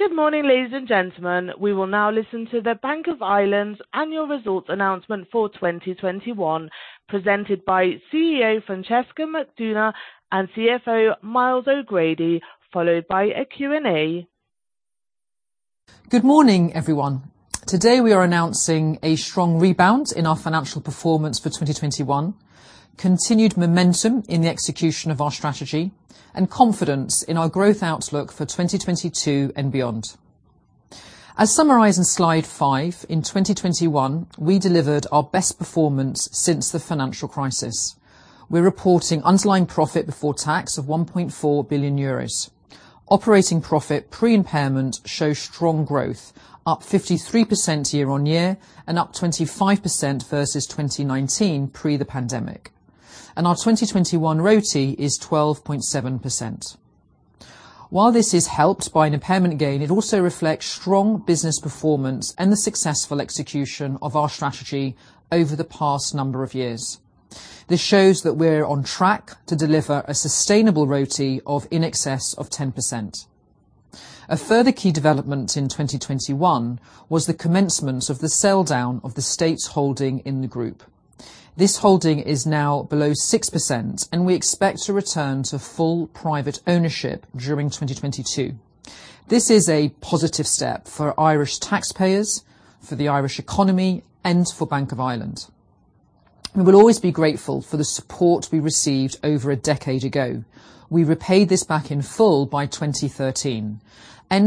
Good morning, ladies and gentlemen. We will now listen to the Bank of Ireland's annual results announcement for 2021, presented by CEO Francesca McDonagh and CFO Myles O'Grady, followed by a Q&A. Good morning, everyone. Today, we are announcing a strong rebound in our financial performance for 2021, continued momentum in the execution of our strategy, and confidence in our growth outlook for 2022 and beyond. As summarized in Slide 5, in 2021, we delivered our best performance since the financial crisis. We're reporting underlying profit before tax of 1.4 billion euros. Operating profit pre-impairment shows strong growth, up 53% year on year and up 25% versus 2019 pre the pandemic. Our 2021 ROTE is 12.7%. While this is helped by an impairment gain, it also reflects strong business performance and the successful execution of our strategy over the past number of years. This shows that we're on track to deliver a sustainable ROTE of in excess of 10%. A further key development in 2021 was the commencement of the sell-down of the state's holding in the group. This holding is now below 6%, and we expect to return to full private ownership during 2022. This is a positive step for Irish taxpayers, for the Irish economy, and for Bank of Ireland. We will always be grateful for the support we received over a decade ago. We repaid this back in full by 2013.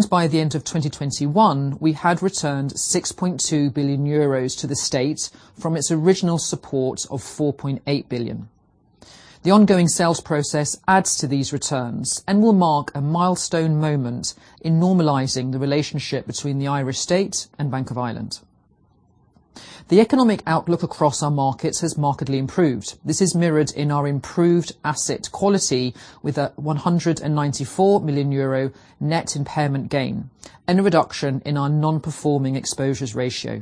By the end of 2021, we had returned 6.2 billion euros to the state from its original support of 4.8 billion. The ongoing sales process adds to these returns and will mark a milestone moment in normalizing the relationship between the Irish state and Bank of Ireland. The economic outlook across our markets has markedly improved. This is mirrored in our improved asset quality with a 194 million euro net impairment gain and a reduction in our non-performing exposures ratio.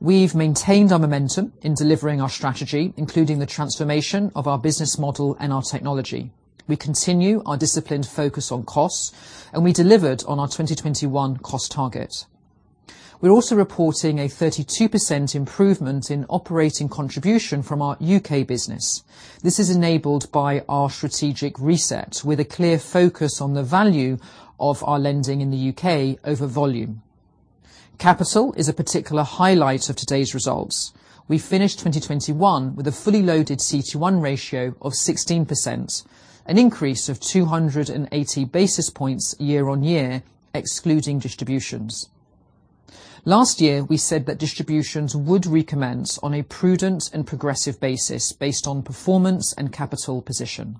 We've maintained our momentum in delivering our strategy, including the transformation of our business model and our technology. We continue our disciplined focus on costs, and we delivered on our 2021 cost target. We're also reporting a 32% improvement in operating contribution from our U.K. business. This is enabled by our strategic reset with a clear focus on the value of our lending in the U.K. over volume. Capital is a particular highlight of today's results. We finished 2021 with a fully loaded CET1 ratio of 16%, an increase of 280 basis points year on year, excluding distributions. Last year, we said that distributions would recommence on a prudent and progressive basis based on performance and capital position.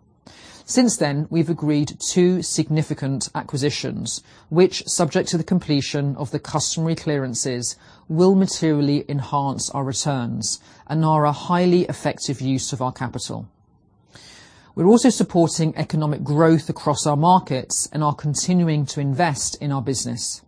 Since then, we've agreed two significant acquisitions, which, subject to the completion of the customary clearances, will materially enhance our returns and are a highly effective use of our capital. We're also supporting economic growth across our markets and are continuing to invest in our business.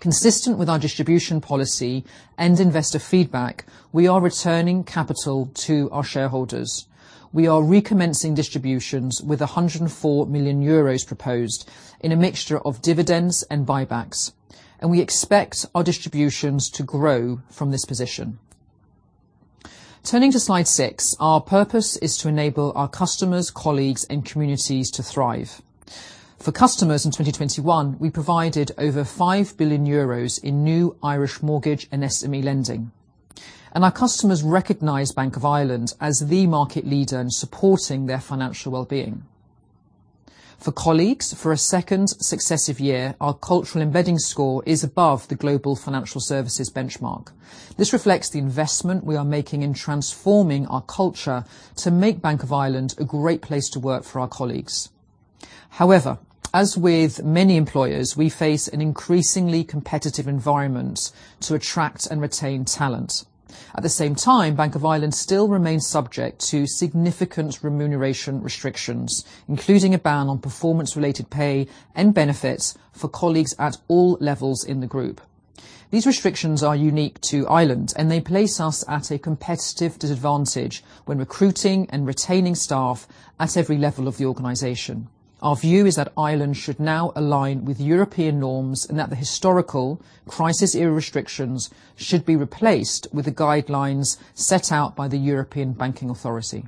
Consistent with our distribution policy and investor feedback, we are returning capital to our shareholders. We are recommencing distributions with 104 million euros proposed in a mixture of dividends and buybacks, and we expect our distributions to grow from this position. Turning to Slide 6. Our purpose is to enable our customers, colleagues, and communities to thrive. For customers in 2021, we provided over 5 billion euros in new Irish mortgage and SME lending. Our customers recognize Bank of Ireland as the market leader in supporting their financial well-being. For colleagues, for a second successive year, our cultural embedding score is above the global financial services benchmark. This reflects the investment we are making in transforming our culture to make Bank of Ireland a great place to work for our colleagues. However, as with many employers, we face an increasingly competitive environment to attract and retain talent. At the same time, Bank of Ireland still remains subject to significant remuneration restrictions, including a ban on performance-related pay and benefits for colleagues at all levels in the group. These restrictions are unique to Ireland, and they place us at a competitive disadvantage when recruiting and retaining staff at every level of the organization. Our view is that Ireland should now align with European norms, and that the historical crisis-era restrictions should be replaced with the guidelines set out by the European Banking Authority.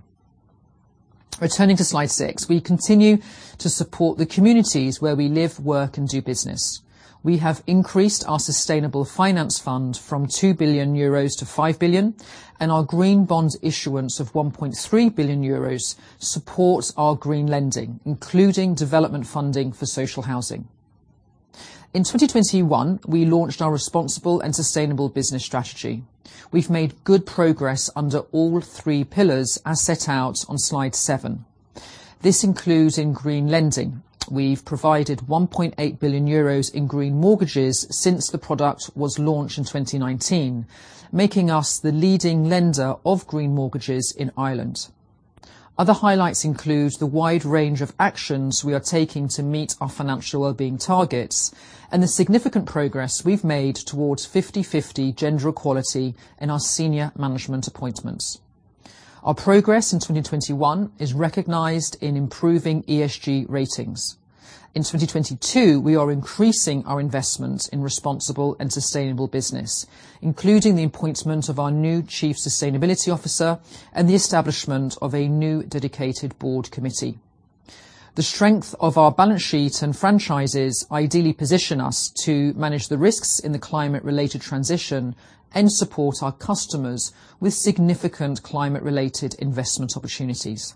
Returning to Slide 6. We continue to support the communities where we live, work, and do business. We have increased our sustainable finance fund from 2 billion euros to 5 billion, and our green bond issuance of 1.3 billion euros supports our green lending, including development funding for social housing. In 2021, we launched our Responsible and Sustainable Business Strategy. We have made good progress under all three pillars as set out on Slide 7. This includes in green lending. We have provided 1.8 billion euros in green mortgages since the product was launched in 2019, making us the leading lender of green mortgages in Ireland. Other highlights include the wide range of actions we are taking to meet our financial well-being targets and the significant progress we've made towards 50/50 gender equality in our senior management appointments. Our progress in 2021 is recognized in improving ESG ratings. In 2022, we are increasing our investment in responsible and sustainable business, including the appointment of our new chief sustainability officer and the establishment of a new dedicated board committee. The strength of our balance sheet and franchises ideally position us to manage the risks in the climate-related transition and support our customers with significant climate-related investment opportunities.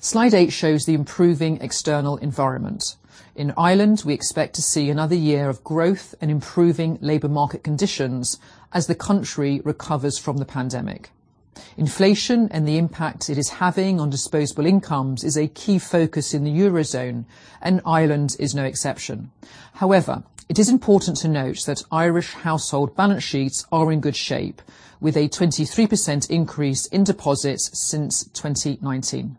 Slide 8 shows the improving external environment. In Ireland, we expect to see another year of growth and improving labor market conditions as the country recovers from the pandemic. Inflation and the impact it is having on disposable incomes is a key focus in the Eurozone, and Ireland is no exception. However, it is important to note that Irish household balance sheets are in good shape with a 23% increase in deposits since 2019.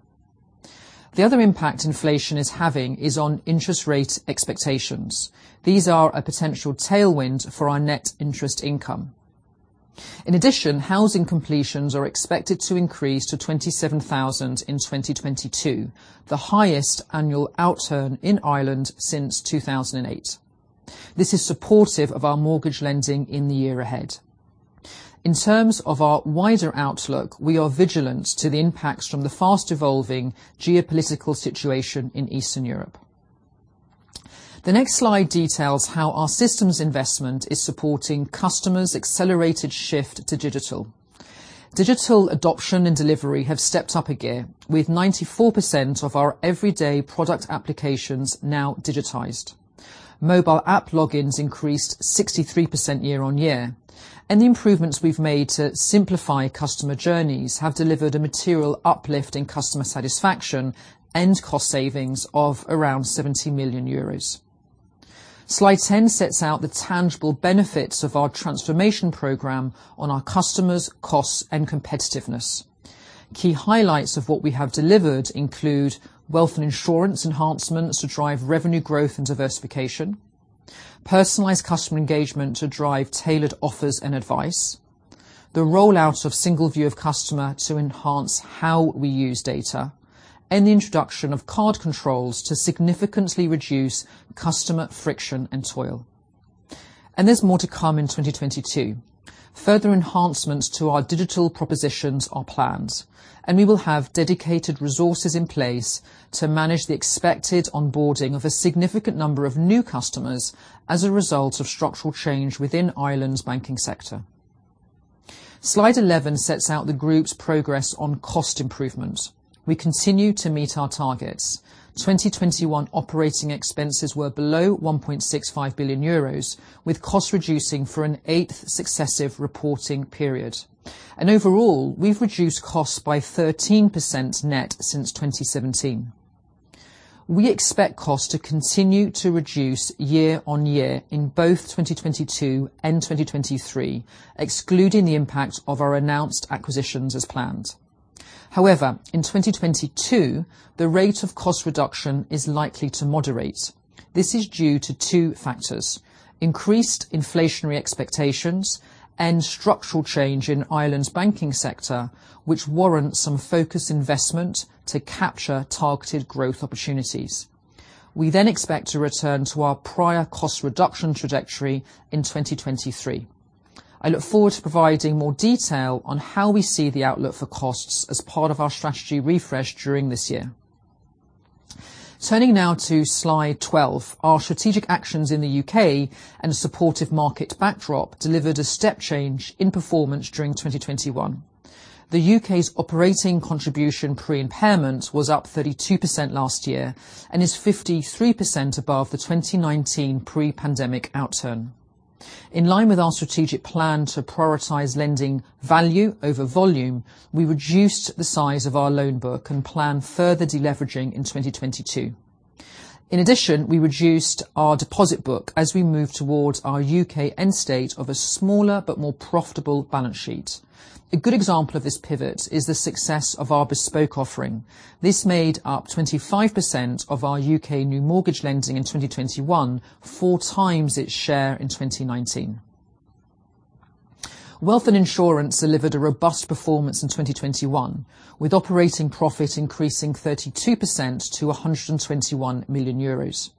The other impact inflation is having is on interest rate expectations. These are a potential tailwind for our net interest income. In addition, housing completions are expected to increase to 27,000 in 2022, the highest annual outturn in Ireland since 2008. This is supportive of our mortgage lending in the year ahead. In terms of our wider outlook, we are vigilant to the impacts from the fast evolving geopolitical situation in Eastern Europe. The next slide details how our systems investment is supporting customers' accelerated shift to digital. Digital adoption and delivery have stepped up a gear with 94% of our everyday product applications now digitized. Mobile app logins increased 63% year-over-year, and the improvements we've made to simplify customer journeys have delivered a material uplift in customer satisfaction and cost savings of around 70 million euros. Slide 10 sets out the tangible benefits of our transformation program on our customers, costs, and competitiveness. Key highlights of what we have delivered include Wealth and Insurance enhancements to drive revenue growth and diversification, personalized customer engagement to drive tailored offers and advice. The rollout of single view of customer to enhance how we use data, and the introduction of card controls to significantly reduce customer friction and toil. There's more to come in 2022. Further enhancements to our digital propositions are planned, and we will have dedicated resources in place to manage the expected onboarding of a significant number of new customers as a result of structural change within Ireland's banking sector. Slide 11 sets out the group's progress on cost improvement. We continue to meet our targets. 2021 operating expenses were below 1.65 billion euros, with costs reducing for an eighth successive reporting period. Overall, we've reduced costs by 13% net since 2017. We expect costs to continue to reduce year on year in both 2022 and 2023, excluding the impact of our announced acquisitions as planned. However, in 2022, the rate of cost reduction is likely to moderate. This is due to 2 factors: increased inflationary expectations and structural change in Ireland's banking sector, which warrants some focused investment to capture targeted growth opportunities. We then expect to return to our prior cost reduction trajectory in 2023. I look forward to providing more detail on how we see the outlook for costs as part of our strategy refresh during this year. Turning now to Slide 12. Our strategic actions in the U.K. and a supportive market backdrop delivered a step change in performance during 2021. The U.K.'s operating contribution pre-impairment was up 32% last year and is 53% above the 2019 pre-pandemic outturn. In line with our strategic plan to prioritize lending value over volume, we reduced the size of our loan book and plan further deleveraging in 2022. In addition, we reduced our deposit book as we move towards our U.K. end state of a smaller but more profitable balance sheet. A good example of this pivot is the success of our bespoke offering. This made up 25% of our U.K. new mortgage lending in 2021, 4 times its share in 2019. Wealth and Insurance delivered a robust performance in 2021, with operating profit increasing 32% to 121 million euros.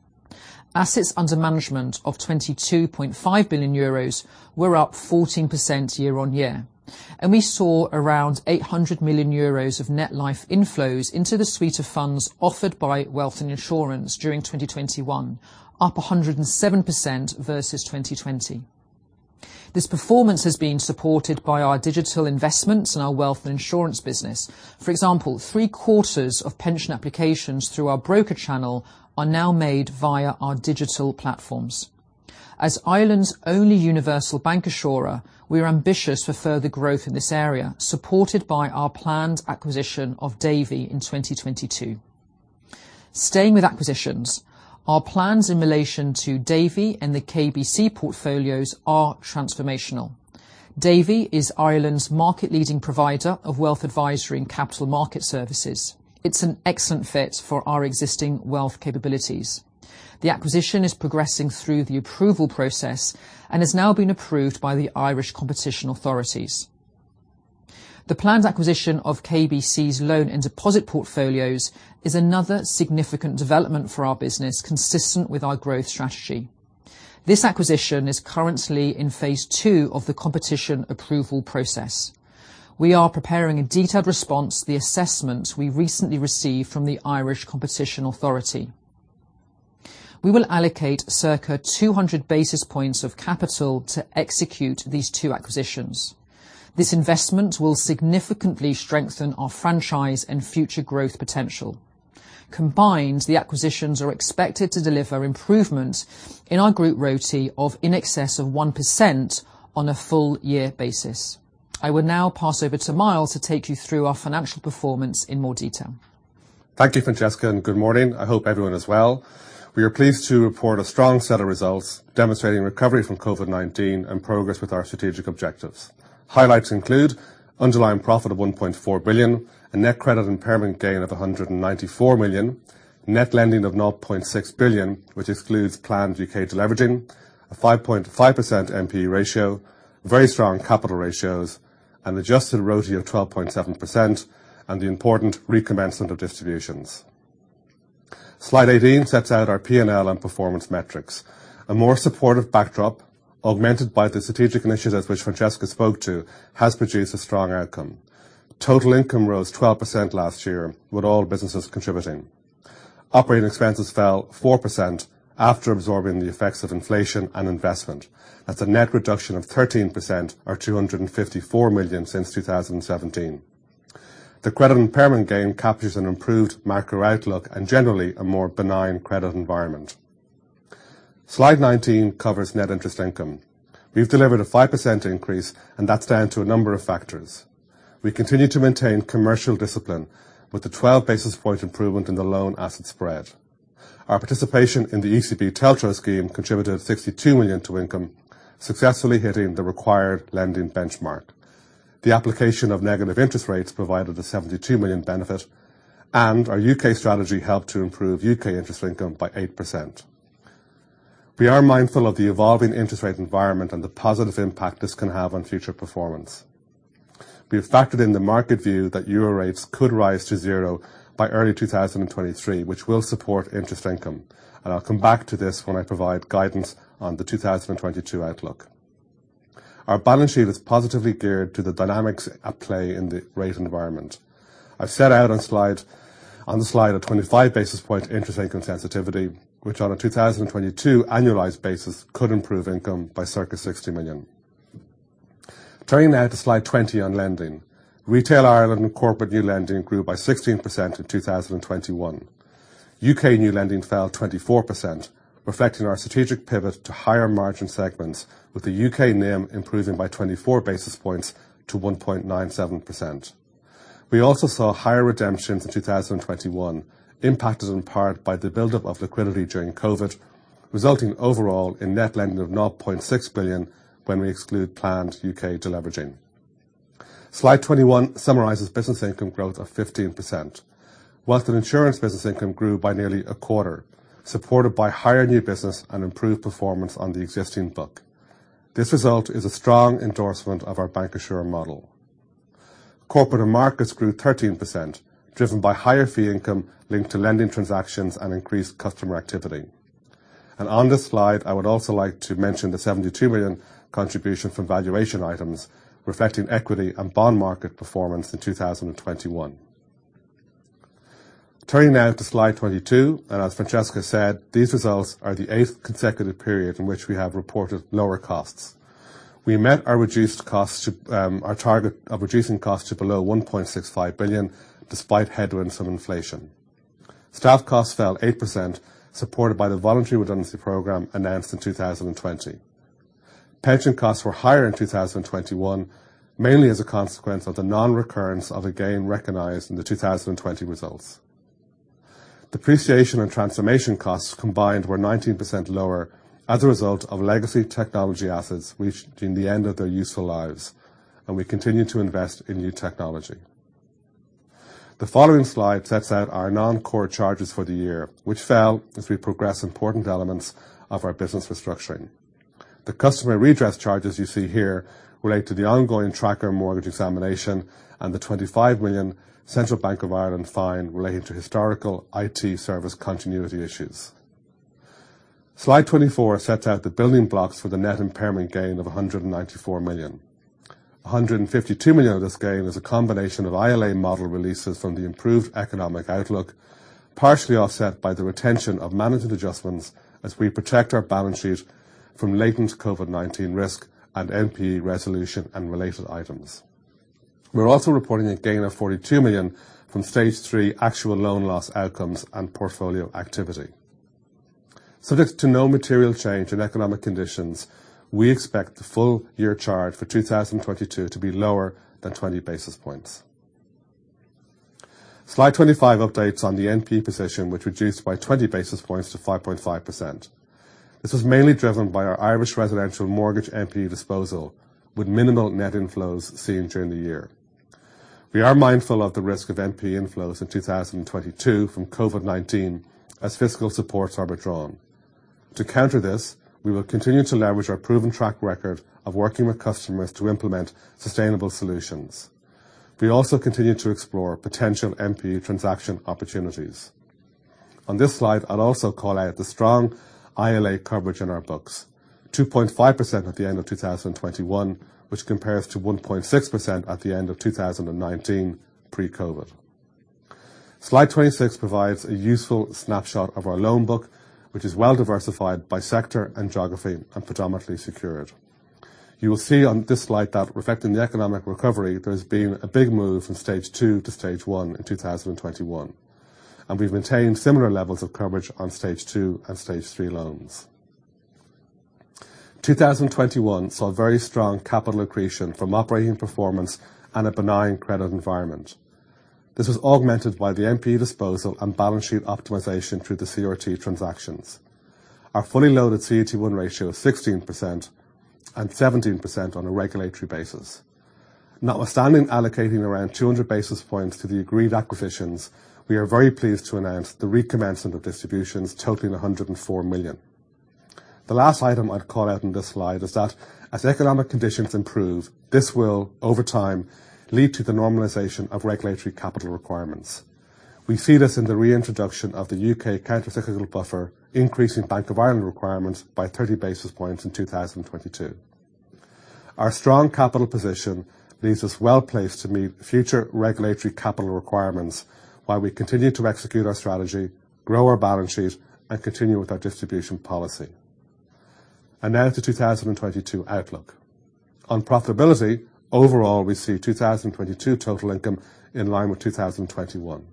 Assets under management of 22.5 billion euros were up 14% year-on-year. We saw around 800 million euros of net life inflows into the suite of funds offered by Wealth and Insurance during 2021, up 107% versus 2020. This performance has been supported by our digital investments in our Wealth and Insurance business. For example, 3 quarters of pension applications through our broker channel are now made via our digital platforms. As Ireland's only universal bank insurer, we are ambitious for further growth in this area, supported by our planned acquisition of Davy in 2022. Staying with acquisitions, our plans in relation to Davy and the KBC portfolios are transformational. Davy is Ireland's market leading provider of wealth advisory and capital market services. It's an excellent fit for our existing wealth capabilities. The acquisition is progressing through the approval process and has now been approved by the Competition and Consumer Protection Commission. The planned acquisition of KBC's loan and deposit portfolios is another significant development for our business, consistent with our growth strategy. This acquisition is currently in phase two of the competition approval process. We are preparing a detailed response to the assessment we recently received from the Competition and Consumer Protection Commission. We will allocate circa 200 basis points of capital to execute these 2 acquisitions. This investment will significantly strengthen our franchise and future growth potential. Combined, the acquisitions are expected to deliver improvements in our group ROTE of in excess of 1% on a full year basis. I will now pass over to Myles to take you through our financial performance in more detail. Thank you, Francesca, and good morning. I hope everyone is well. We are pleased to report a strong set of results, demonstrating recovery from COVID-19 and progress with our strategic objectives. Highlights include underlying profit of 1.4 billion and net credit impairment gain of 194 million, net lending of 0.6 billion, which excludes planned U.K. deleveraging, a 5.5% NPE ratio, very strong capital ratios, an adjusted ROTE of 12.7%, and the important recommencement of distributions. Slide 18 sets out our P&L and performance metrics. A more supportive backdrop, augmented by the strategic initiatives which Francesca spoke to, has produced a strong outcome. Total income rose 12% last year, with all businesses contributing. Operating expenses fell 4% after absorbing the effects of inflation and investment. That's a net reduction of 13% or 254 million since 2017. The credit impairment gain captures an improved macro outlook and generally a more benign credit environment. Slide 19 covers net interest income. We've delivered a 5% increase, and that's down to a number of factors. We continue to maintain commercial discipline with the 12 basis point improvement in the loan asset spread. Our participation in the ECB TLTRO scheme contributed 62 million to income, successfully hitting the required lending benchmark. The application of negative interest rates provided a 72 million benefit, and our U.K. strategy helped to improve U.K. interest income by 8%. We are mindful of the evolving interest rate environment and the positive impact this can have on future performance. We have factored in the market view that euro rates could rise to 0% by early 2023, which will support interest income. I'll come back to this when I provide guidance on the 2022 outlook. Our balance sheet is positively geared to the dynamics at play in the rate environment. I've set out on the Slide a 25 basis points interest income sensitivity, which on a 2022 annualized basis could improve income by circa 60 million. Turning now to slide 20 on lending. Retail Ireland and corporate new lending grew by 16% in 2021. U.K. new lending fell 24%, reflecting our strategic pivot to higher margin segments with the U.K. NIM improving by 24 basis points to 1.97%. We also saw higher redemptions in 2021, impacted in part by the buildup of liquidity during COVID, resulting overall in net lending of 0.6 billion when we exclude planned U.K. deleveraging. Slide 21 summarizes business income growth of 15%. While an insurance business income grew by nearly a quarter, supported by higher new business and improved performance on the existing book. This result is a strong endorsement of our bancassurance model. Corporate and markets grew 13%, driven by higher fee income linked to lending transactions and increased customer activity. On this slide, I would also like to mention the 72 million contribution from valuation items, reflecting equity and bond market performance in 2021. Turning now to Slide 22. As Francesca said, these results are the 8th consecutive period in which we have reported lower costs. We met our cost reduction target of reducing costs to below 1.65 billion, despite headwinds from inflation. Staff costs fell 8%, supported by the voluntary redundancy program announced in 2020. Pension costs were higher in 2021, mainly as a consequence of the nonrecurrence of a gain recognized in the 2020 results. Depreciation and transformation costs combined were 19% lower as a result of legacy technology assets, which are at the end of their useful lives, and we continue to invest in new technology. The following slide sets out our non-core charges for the year, which fell as we progress important elements of our business restructuring. The customer redress charges you see here relate to the ongoing tracker mortgage examination and the 25 million Central Bank of Ireland fine related to historical IT service continuity issues. Slide 24 sets out the building blocks for the net impairment gain of 194 million. 152 million of this gain is a combination of ILA model releases from the improved economic outlook, partially offset by the retention of management adjustments as we protect our balance sheet from latent COVID-19 risk and NPE resolution and related items. We're also reporting a gain of 42 million from stage 3 actual loan loss outcomes and portfolio activity. Subject to no material change in economic conditions, we expect the full year charge for 2022 to be lower than 20 basis points. Slide 25 updates on the NPE position, which reduced by 20 basis points to 5.5%. This was mainly driven by our Irish residential mortgage NPE disposal, with minimal net inflows seen during the year. We are mindful of the risk of NPE inflows in 2022 from COVID-19 as fiscal supports are withdrawn. To counter this, we will continue to leverage our proven track record of working with customers to implement sustainable solutions. We also continue to explore potential NPE transaction opportunities. On this slide, I'd also call out the strong ILA coverage in our books, 2.5% at the end of 2021, which compares to 1.6% at the end of 2019 pre-COVID. Slide 26 provides a useful snapshot of our loan book, which is well diversified by sector and geography and predominantly secured. You will see on this slide that reflecting the economic recovery, there's been a big move from Stage 2 to Stage 1 in 2021, and we've maintained similar levels of coverage on Stage 2 and Stage 3 loans. 2021 saw very strong capital accretion from operating performance and a benign credit environment. This was augmented by the NPE disposal and balance sheet optimization through the CRT transactions. Our fully loaded CET1 ratio is 16% and 17% on a regulatory basis. Notwithstanding allocating around 200 basis points to the agreed acquisitions, we are very pleased to announce the recommencement of distributions totaling 104 million. The last item I'd call out in this slide is that as economic conditions improve, this will, over time, lead to the normalization of regulatory capital requirements. We see this in the reintroduction of the U.K. countercyclical buffer, increasing Bank of Ireland requirements by 30 basis points in 2022. Our strong capital position leaves us well placed to meet future regulatory capital requirements while we continue to execute our strategy, grow our balance sheet, and continue with our distribution policy. Now to 2022 outlook. On profitability, overall, we see 2022 total income in line with 2021.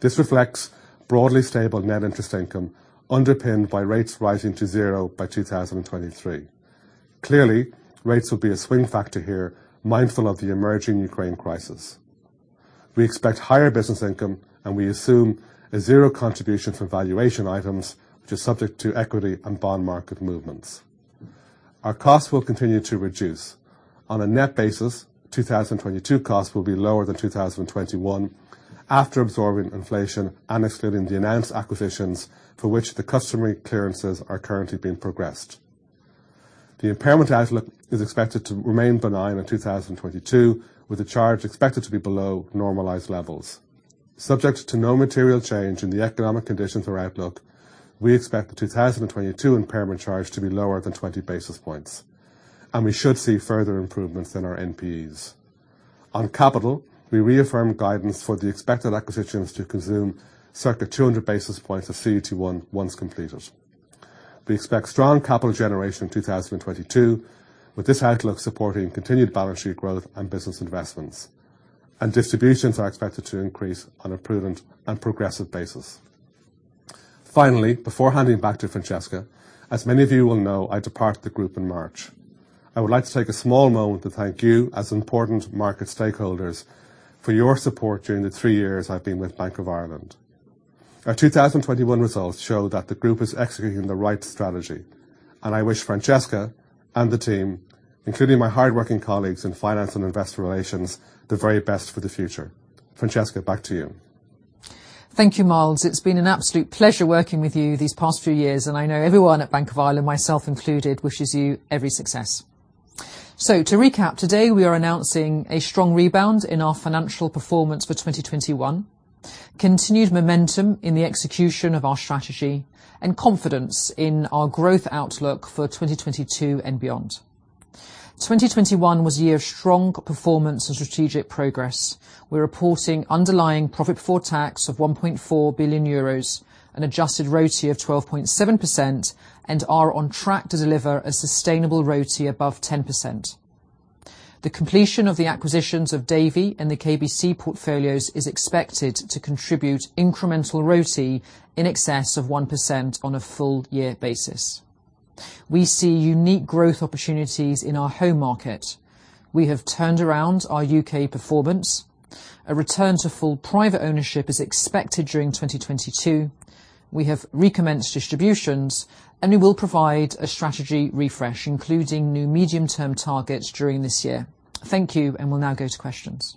This reflects broadly stable net interest income underpinned by rates rising to zero by 2023. Clearly, rates will be a swing factor here, mindful of the emerging Ukraine crisis. We expect higher business income, and we assume a zero contribution from valuation items, which is subject to equity and bond market movements. Our costs will continue to reduce. On a net basis, 2022 costs will be lower than 2021 after absorbing inflation and excluding the announced acquisitions for which the customary clearances are currently being progressed. The impairment outlook is expected to remain benign in 2022, with the charge expected to be below normalized levels. Subject to no material change in the economic conditions or outlook, we expect the 2022 impairment charge to be lower than 20 basis points, and we should see further improvements in our NPEs. On capital, we reaffirm guidance for the expected acquisitions to consume circa 200 basis points of CET1 once completed. We expect strong capital generation in 2022, with this outlook supporting continued balance sheet growth and business investments. Distributions are expected to increase on a prudent and progressive basis. Finally, before handing back to Francesca, as many of you will know, I depart the group in March. I would like to take a small moment to thank you as important market stakeholders for your support during the three years I've been with Bank of Ireland. Our 2021 results show that the group is executing the right strategy, and I wish Francesca and the team, including my hardworking colleagues in Finance and Investor Relations, the very best for the future. Francesca, back to you. Thank you, Myles. It's been an absolute pleasure working with you these past few years, and I know everyone at Bank of Ireland, myself included, wishes you every success. To recap, today, we are announcing a strong rebound in our financial performance for 2021, continued momentum in the execution of our strategy, and confidence in our growth outlook for 2022 and beyond. 2021 was a year of strong performance and strategic progress. We're reporting underlying profit before tax of 1.4 billion euros, an adjusted ROTE of 12.7%, and are on track to deliver a sustainable ROTE above 10%. The completion of the acquisitions of Davy and the KBC portfolios is expected to contribute incremental ROTE in excess of 1% on a full year basis. We see unique growth opportunities in our home market. We have turned around our U.K. performance. A return to full private ownership is expected during 2022. We have recommenced distributions, and we will provide a strategy refresh, including new medium-term targets during this year. Thank you, and we'll now go to questions.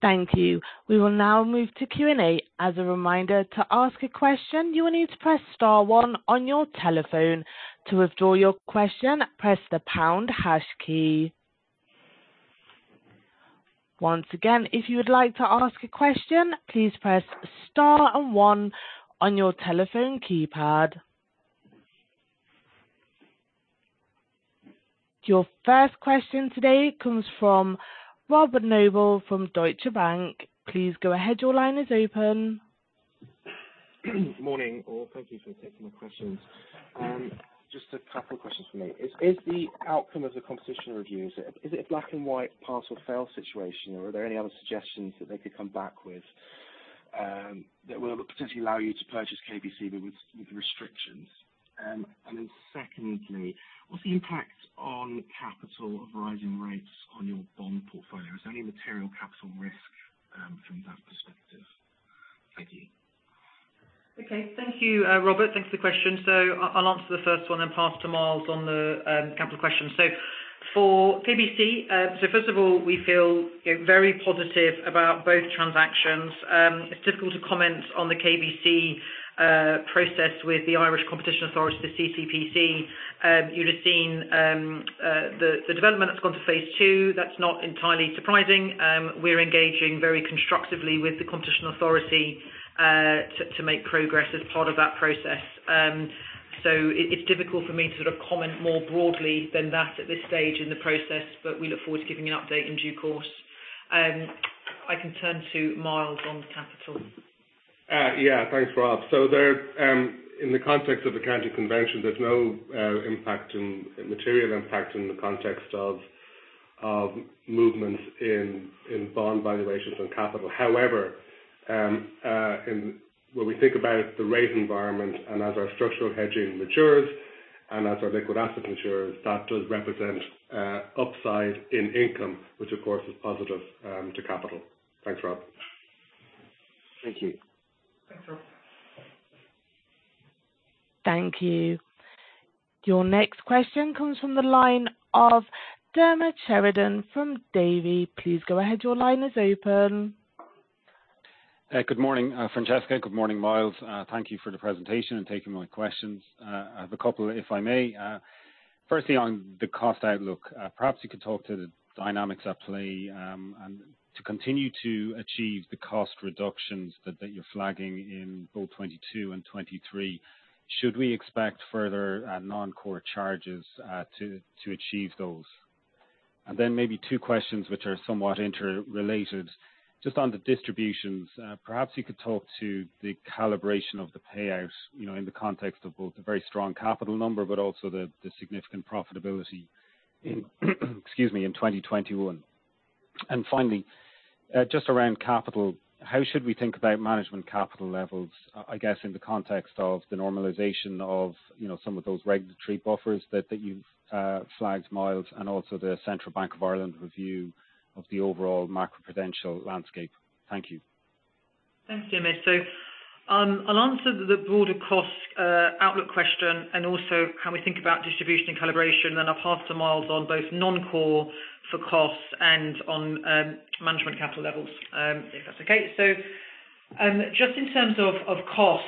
Thank you. We will now move to Q&A. As a reminder, to ask a question, you will need to press star 1 on your telephone. To withdraw your question, press the pound # key. Once again, if you would like to ask a question, please press star and 1 on your telephone keypad. Your first question today comes from Robert Noble from Deutsche Bank. Please go ahead. Your line is open. Morning, all. Thank you for taking the questions. Just a couple of questions from me. Is the outcome of the competition review a black-and-white pass or fail situation, or are there any other suggestions that they could come back with that will potentially allow you to purchase KBC but with restrictions? Secondly, what's the impact on capital of rising rates on your bond portfolio? Is there any material capital risk from that perspective? Thank you. Okay. Thank you, Robert. Thanks for the question. I'll answer the first one then pass to Myles on the capital question. So For KBC, first of all, we feel, you know, very positive about both transactions. It's difficult to comment on the KBC process with the Irish Competition Authority, the CCPC. You'd have seen the development that's gone to phase two. That's not entirely surprising. We're engaging very constructively with the Competition Authority to make progress as part of that process. It's difficult for me to sort of comment more broadly than that at this stage in the process, but we look forward to giving you an update in due course. I can turn to Myles on capital. Yeah, thanks, Rob. In the context of accounting convention, there's no material impact in the context of movements in bond valuations and capital. However, when we think about the rate environment and as our structural hedging matures and as our liquid asset matures, that does represent upside in income, which of course is positive to capital. Thanks, Rob. Thank you. Thanks, Rob. Thank you. Your next question comes from the line of Diarmaid Sheridan from Davy. Please go ahead. Your line is open. Good morning, Francesca. Good morning, Myles. Thank you for the presentation and taking my questions. I have a couple, if I may. Firstly, on the cost outlook, perhaps you could talk to the dynamics at play, and to continue to achieve the cost reductions that you're flagging in both 2022 and 2023. Should we expect further non-core charges to achieve those? Maybe 2 questions which are somewhat interrelated. Just on the distributions, perhaps you could talk to the calibration of the payout, you know, in the context of both the very strong capital number, but also the significant profitability in, excuse me, 2021. Finally, just around capital, how should we think about management capital levels? I guess in the context of the normalization of, you know, some of those regulatory buffers that you've flagged, Myles, and also the Central Bank of Ireland review of the overall macroprudential landscape. Thank you. Thanks, Diarmaid. I'll answer the broader cost outlook question and also how we think about distribution and calibration. Then I'll pass to Myles on both non-core for costs and on management capital levels, if that's okay. Just in terms of cost,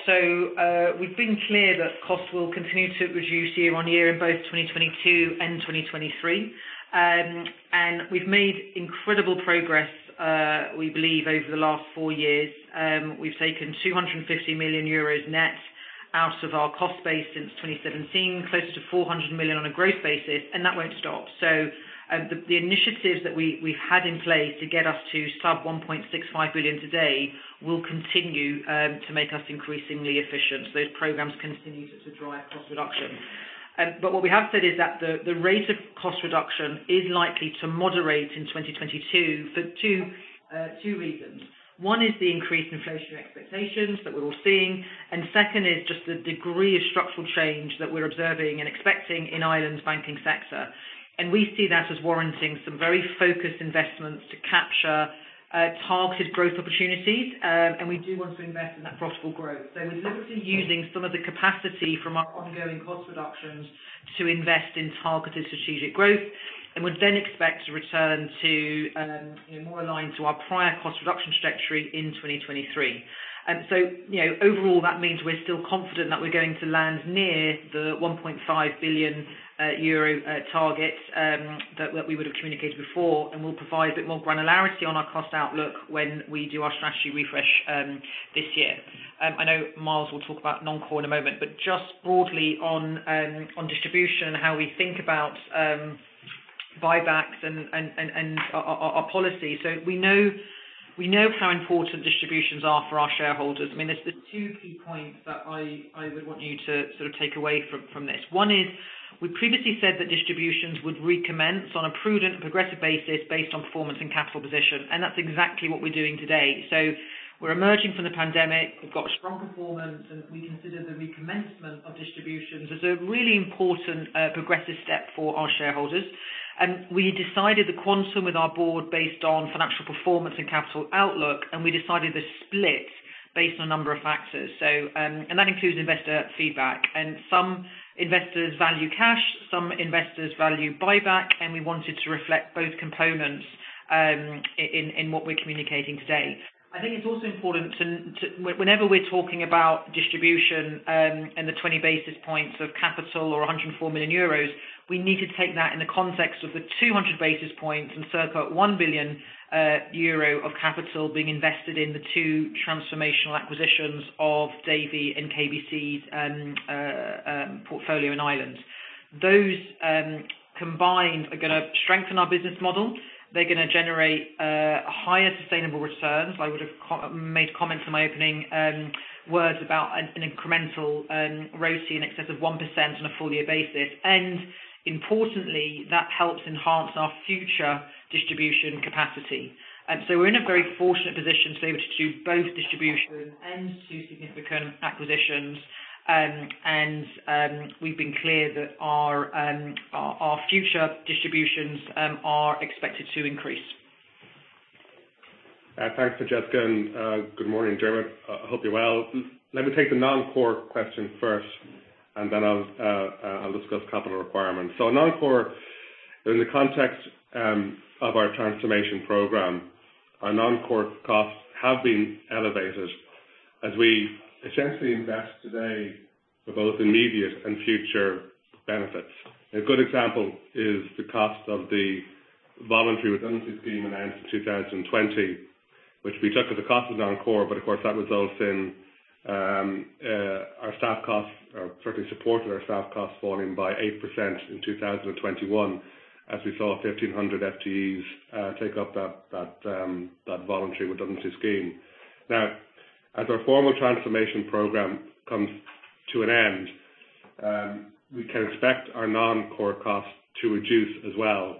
we've been clear that costs will continue to reduce year-on-year in both 2022 and 2023. We've made incredible progress, we believe over the last four years. We've taken 250 million euros net out of our cost base since 2017, closer to 400 million on a growth basis, and that won't stop. The initiatives that we've had in place to get us to sub 1.65 billion today will continue to make us increasingly efficient. Those programs continue to drive cost reduction. What we have said is that the rate of cost reduction is likely to moderate in 2022 for two reasons. One is the increased inflation expectations that we're all seeing, and second is just the degree of structural change that we're observing and expecting in Ireland's banking sector. We see that as warranting some very focused investments to capture targeted growth opportunities. We do want to invest in that profitable growth. We're literally using some of the capacity from our ongoing cost reductions to invest in targeted strategic growth and would then expect to return to, you know, more aligned to our prior cost reduction trajectory in 2023. You know, overall, that means we're still confident that we're going to land near the 1.5 billion euro target that we would have communicated before. We'll provide a bit more granularity on our cost outlook when we do our strategy refresh this year. I know Myles will talk about non-core in a moment, but just broadly on distribution and how we think about buybacks and our policy. We know how important distributions are for our shareholders. I mean, there's the two key points that I would want you to sort of take away from this. One is we previously said that distributions would recommence on a prudent and progressive basis based on performance and capital position, and that's exactly what we're doing today. We're emerging from the pandemic. We've got strong performance, and we consider the recommencement of distributions as a really important, progressive step for our shareholders. We decided the quantum with our board based on financial performance and capital outlook, and we decided the split based on a number of factors. And that includes investor feedback, and some investors value cash, some investors value buyback, and we wanted to reflect both components, in what we're communicating today. I think it's also important to. Whenever we're talking about distribution, and the 20 basis points of capital or 104 million euros, we need to take that in the context of the 200 basis points and circa 1 billion euro of capital being invested in the two transformational acquisitions of Davy and KBC's portfolio in Ireland. Those combined are gonna strengthen our business model. They're gonna generate higher sustainable returns. I would have commented comments in my opening words about an incremental ROTE in excess of 1% on a full year basis. Importantly, that helps enhance our future distribution capacity. We're in a very fortunate position to be able to do both distribution and two significant acquisitions. We've been clear that our future distributions are expected to increase. Thanks for Francesca, and good morning, Diarmaid. Hope you're well. Let me take the non-core question first, and then I'll discuss capital requirements. Non-core, in the context of our transformation program, our non-core costs have been elevated as we essentially invest today for both immediate and future benefits. A good example is the cost of the voluntary redundancy scheme announced in 2020, which we took as a cost of non-core, but of course, that results in our staff costs falling by 8% in 2021 as we saw 1,500 FTEs take up that voluntary redundancy scheme. Now, as our formal transformation program comes to an end, we can expect our non-core costs to reduce as well.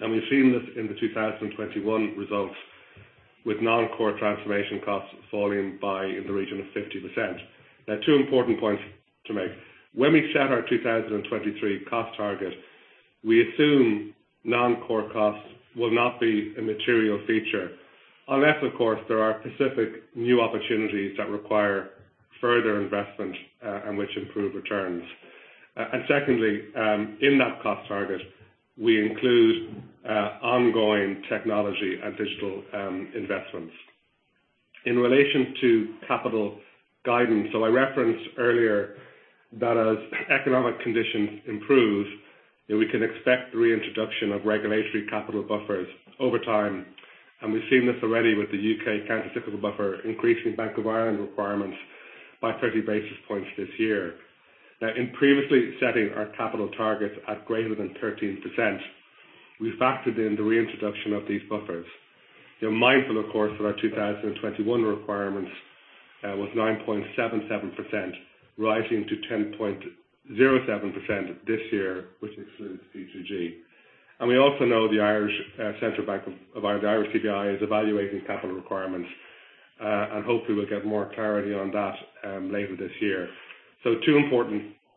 We've seen this in the 2021 results with non-core transformation costs falling by in the region of 50%. Now, two important points to make. When we set our 2023 cost target, we assume non-core costs will not be a material feature, unless, of course, there are specific new opportunities that require further investment, and which improve returns. And secondly, in that cost target, we include ongoing technology and digital investments. In relation to capital guidance, I referenced earlier that as economic conditions improve, that we can expect the reintroduction of regulatory capital buffers over time, and we've seen this already with the U.K. countercyclical buffer, increasing Bank of Ireland requirements by 30 basis points this year. Now, in previously setting our capital targets at greater than 13%, we factored in the reintroduction of these buffers. You're mindful, of course, that our 2021 requirements was 9.77%, rising to 10.07% this year, which excludes P2G. We also know the Irish Central Bank of Ireland, the Irish CBI, is evaluating capital requirements, and hopefully we'll get more clarity on that later this year.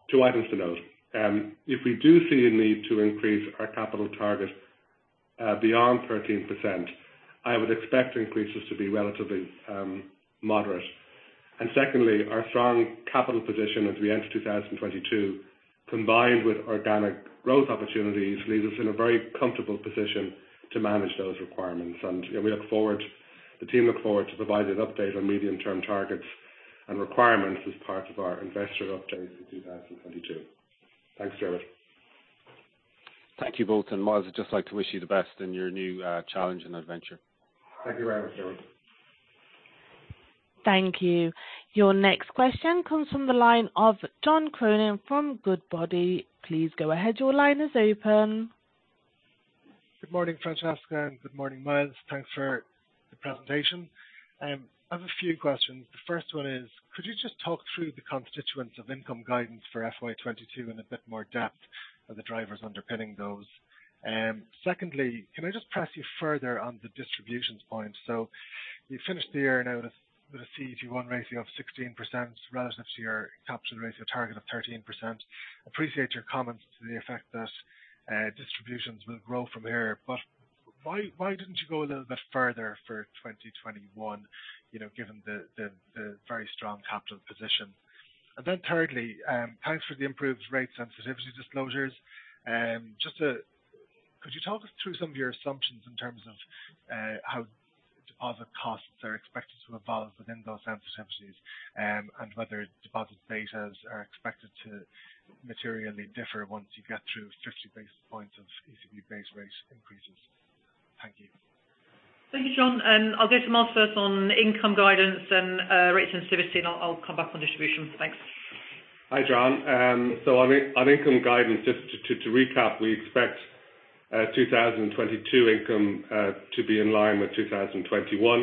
Two items to note. If we do see a need to increase our capital target beyond 13%, I would expect increases to be relatively moderate. Our strong capital position as we enter 2022, combined with organic growth opportunities, leaves us in a very comfortable position to manage those requirements. you know, the team look forward to provide an update on medium-term targets and requirements as part of our investor update for 2022. Thanks, Diarmaid. Thank you both. Myles, I'd just like to wish you the best in your new challenge and adventure. Thank you very much, Diarmaid. Thank you. Your next question comes from the line of John Cronin from Goodbody. Please go ahead. Your line is open. Good morning, Francesca, and good morning, Myles. Thanks for the presentation. I've a few questions. The first one is, could you just talk through the constituents of income guidance for FY 2022 in a bit more depth of the drivers underpinning those? Secondly, can I just press you further on the distributions point? You finished the year now with a CET1 ratio of 16% relative to your capital ratio target of 13%. Appreciate your comments to the effect that distributions will grow from here. Why didn't you go a little bit further for 2021, you know, given the very strong capital position? Then thirdly, thanks for the improved rate sensitivity disclosures. Could you talk us through some of your assumptions in terms of how deposit costs are expected to evolve within those sensitivities, and whether deposit betas are expected to materially differ once you get through 50 basis points of ECB base rate increases? Thank you. Thank you, John. I'll go to Myles first on income guidance and rate sensitivity, and I'll come back on distributions. Thanks. Hi, John. So on income guidance, just to recap, we expect 2022 income to be in line with 2021.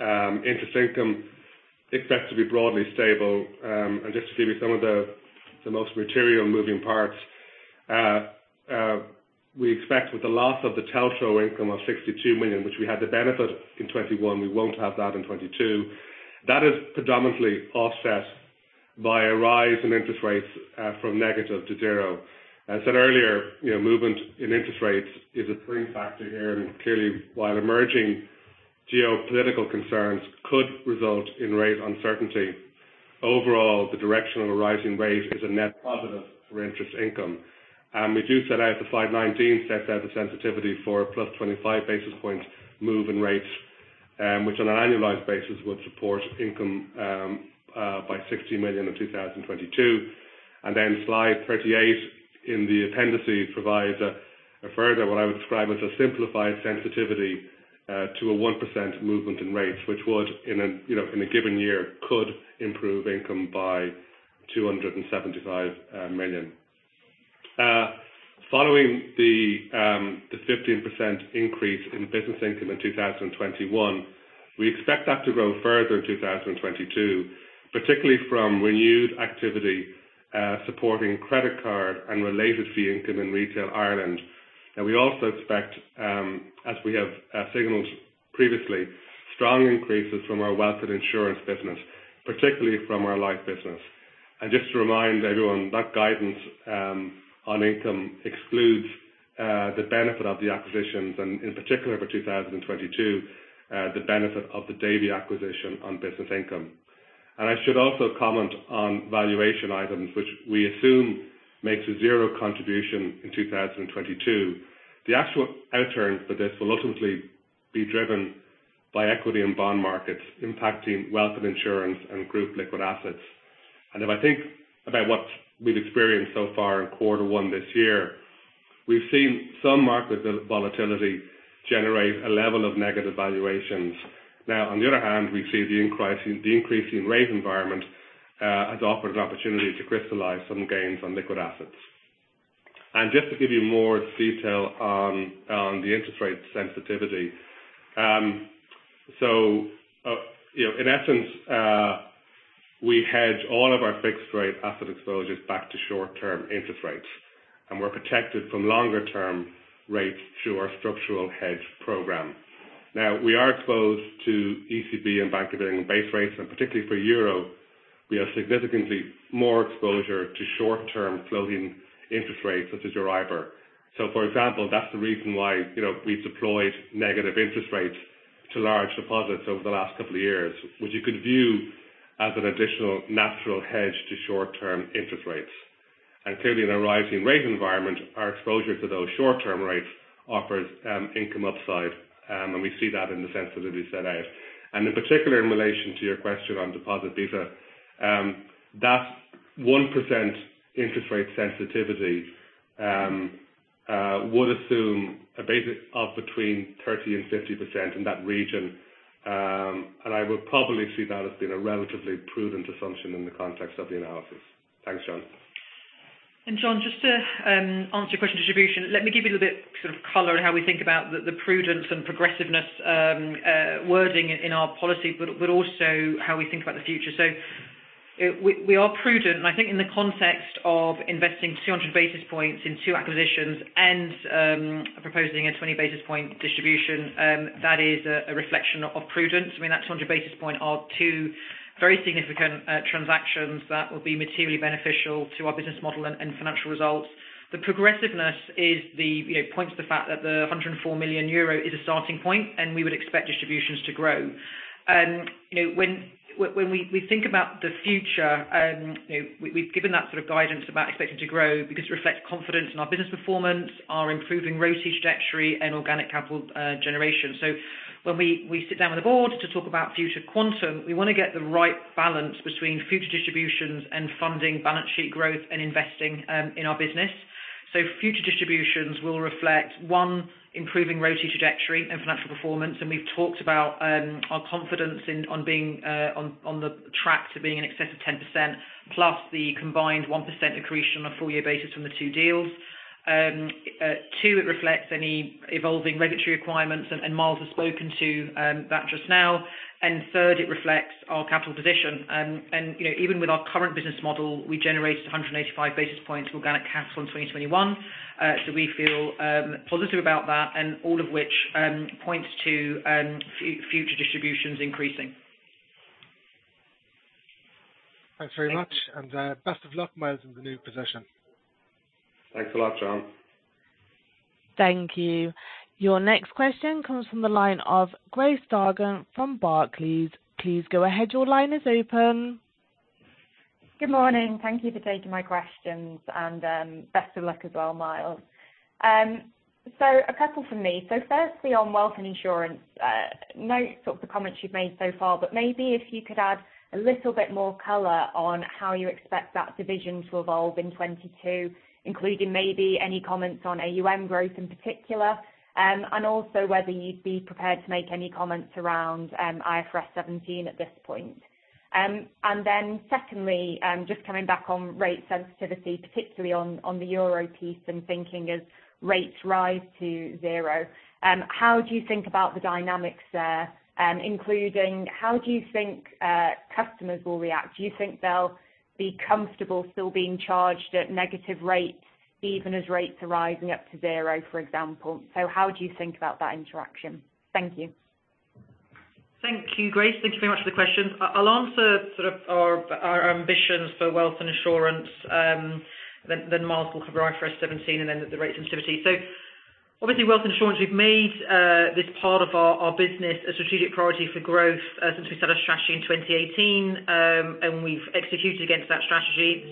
Interest income expected to be broadly stable. Just to give you some of the most material moving parts, we expect with the loss of the TLTRO income of 62 million, which we had the benefit in 2021, we won't have that in 2022. That is predominantly offset by a rise in interest rates from negative to zero. I said earlier, you know, movement in interest rates is a key factor here. Clearly, while emerging geopolitical concerns could result in rate uncertainty, overall, the direction of a rising rate is a net positive for interest income. Slide 19 sets out the sensitivity for a +25 basis points move in rates, which on an annualized basis would support income by 60 million in 2022. Slide 38 in the appendices provides a further, what I would describe as a simplified sensitivity to a 1% movement in rates, which would, you know, in a given year, could improve income by 275 million. Following the 15% increase in business income in 2021, we expect that to grow further in 2022, particularly from renewed activity supporting credit card and related fee income in Retail Ireland. We also expect, as we have signaled previously, strong increases from our Wealth and Insurance business, particularly from our life business. Just to remind everyone, that guidance on income excludes the benefit of the acquisitions. In particular for 2022, the benefit of the Davy acquisition on business income. I should also comment on valuation items, which we assume makes a 0 contribution in 2022. The actual outturn for this will ultimately be driven by equity and bond markets impacting Wealth and Insurance and group liquid assets. If I think about what we've experienced so far in quarter one this year, we've seen some market volatility generate a level of negative valuations. Now, on the other hand, we see the increasing rate environment has offered an opportunity to crystallize some gains on liquid assets. Just to give you more detail on the interest rate sensitivity. You know, in essence, we hedge all of our fixed rate asset exposures back to short-term interest rates, and we're protected from longer-term rates through our structural hedge program. Now we are exposed to ECB and Bank of England base rates, and particularly for euro, we have significantly more exposure to short-term floating interest rates, such as EURIBOR. For example, that's the reason why, you know, we've deployed negative interest rates to large deposits over the last couple of years, which you could view as an additional natural hedge to short-term interest rates. Clearly in a rising rate environment, our exposure to those short-term rates offers income upside, and we see that in the sensitivity set out. In particular, in relation to your question on deposit beta, that 1% interest rate sensitivity would assume a basic up between 30%-50% in that region. I would probably see that as being a relatively prudent assumption in the context of the analysis. Thanks, John. John, just to answer your question on distribution. Let me give you a little bit sort of color on how we think about the prudence and progressiveness wording in our policy, but also how we think about the future. We are prudent, and I think in the context of investing 200 basis points in two acquisitions and proposing a 20 basis point distribution, that is a reflection of prudence. I mean, that 200 basis point are two very significant transactions that will be materially beneficial to our business model and financial results. The progressiveness, you know, points to the fact that the 104 million euro is a starting point, and we would expect distributions to grow. You know, when we think about the future, you know, we've given that sort of guidance about expecting to grow because it reflects confidence in our business performance, our improving ROTCE trajectory and organic capital generation. When we sit down with the board to talk about future quantum, we wanna get the right balance between future distributions and funding balance sheet growth and investing in our business. Future distributions will reflect one, improving ROTCE trajectory and financial performance, and we've talked about our confidence in being on the track to being in excess of 10%, plus the combined 1% accretion on a full year basis from the 2 deals. 2, it reflects any evolving regulatory requirements, and Myles has spoken to that just now. Third, it reflects our capital position. You know, even with our current business model, we generated 185 basis points of organic capital in 2021. So we feel positive about that and all of which points to future distributions increasing. Thanks very much. Best of luck, Myles, in the new position. Thanks a lot, John. Thank you. Your next question comes from the line of Grace Dargan from Barclays. Please go ahead. Your line is open. Good morning. Thank you for taking my questions. Best of luck as well, Myles. A couple from me. Firstly on Wealth and Insurance, note the comments you've made so far, but maybe if you could add a little bit more color on how you expect that division to evolve in 2022, including maybe any comments on AUM growth in particular, and also whether you'd be prepared to make any comments around IFRS 17 at this point. Then secondly, just coming back on rate sensitivity, particularly on the euro piece and thinking as rates rise to zero, how do you think about the dynamics there, including how do you think customers will react? Do you think they'll be comfortable still being charged at negative rates even as rates are rising up to zero, for example? How do you think about that interaction? Thank you. Thank you, Grace. Thank you very much for the question. I'll answer sort of our ambitions for wealth and insurance, then Myles will cover IFRS 17 and then the rate sensitivity. Obviously, wealth and insurance, we've made this part of our business a strategic priority for growth, since we set our strategy in 2018. We've executed against that strategy.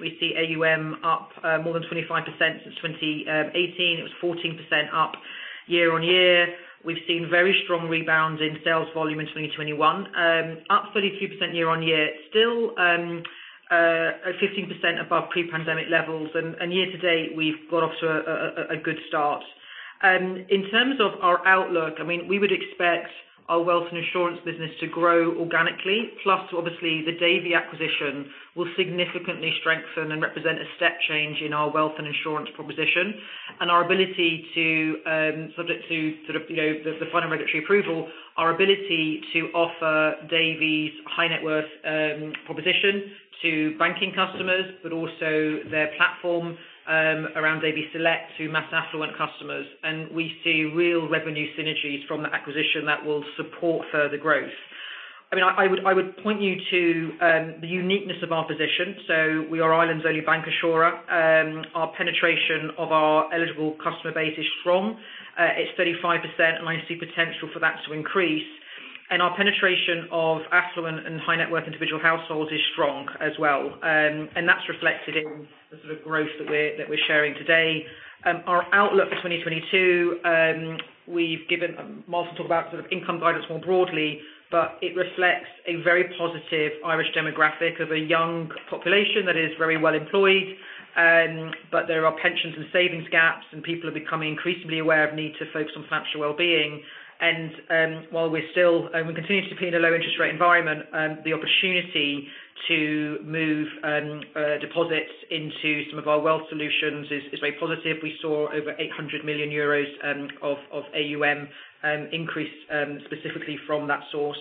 We see AUM up more than 25% since 2018. It was 14% up year on year. We've seen very strong rebounds in sales volume in 2021, up 32% year on year. Still, 15% above pre-pandemic levels. Year to date, we've got off to a good start. In terms of our outlook, I mean, we would expect our wealth and insurance business to grow organically. Plus, obviously, the Davy acquisition will significantly strengthen and represent a step change in our wealth and insurance proposition and our ability to, subject to sort of, you know, the final regulatory approval, our ability to offer Davy's high net worth proposition to banking customers, but also their platform around Davy Select to mass affluent customers. We see real revenue synergies from the acquisition that will support further growth. I mean, I would point you to the uniqueness of our position. So we are Ireland's only bank insurer. Our penetration of our eligible customer base is strong. It's 35%, and I see potential for that to increase. Our penetration of affluent and high net worth individual households is strong as well, and that's reflected in the sort of growth that we're showing today. Our outlook for 2022. Myles will talk about sort of income guidance more broadly, but it reflects a very positive Irish demographic of a young population that is very well employed. There are pensions and savings gaps, and people are becoming increasingly aware of the need to focus on financial well-being. While we continue to be in a low interest rate environment, the opportunity to move deposits into some of our wealth solutions is very positive. We saw over 800 million euros of AUM increase specifically from that source.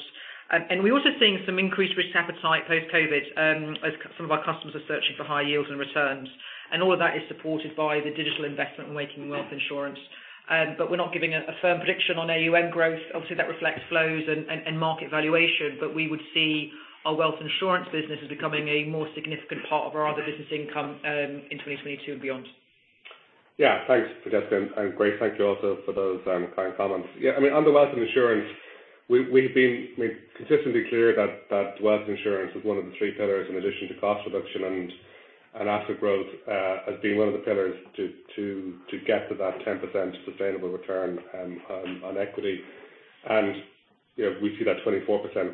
We're also seeing some increased risk appetite post-COVID as some of our customers are searching for higher yields and returns. All of that is supported by the digital investment in Banking, Wealth and Insurance. We're not giving a firm prediction on AUM growth. Obviously, that reflects flows and market valuation. We would see our Wealth and Insurance business as becoming a more significant part of our other business income in 2022 and beyond. Yeah. Thanks, Francesca, and great, thank you also for those kind comments. Yeah, I mean, on the wealth insurance, we've been consistently clear that wealth insurance is one of the three pillars, in addition to cost reduction and asset growth, as being one of the pillars to get to that 10% sustainable return on equity. You know, we see that 24%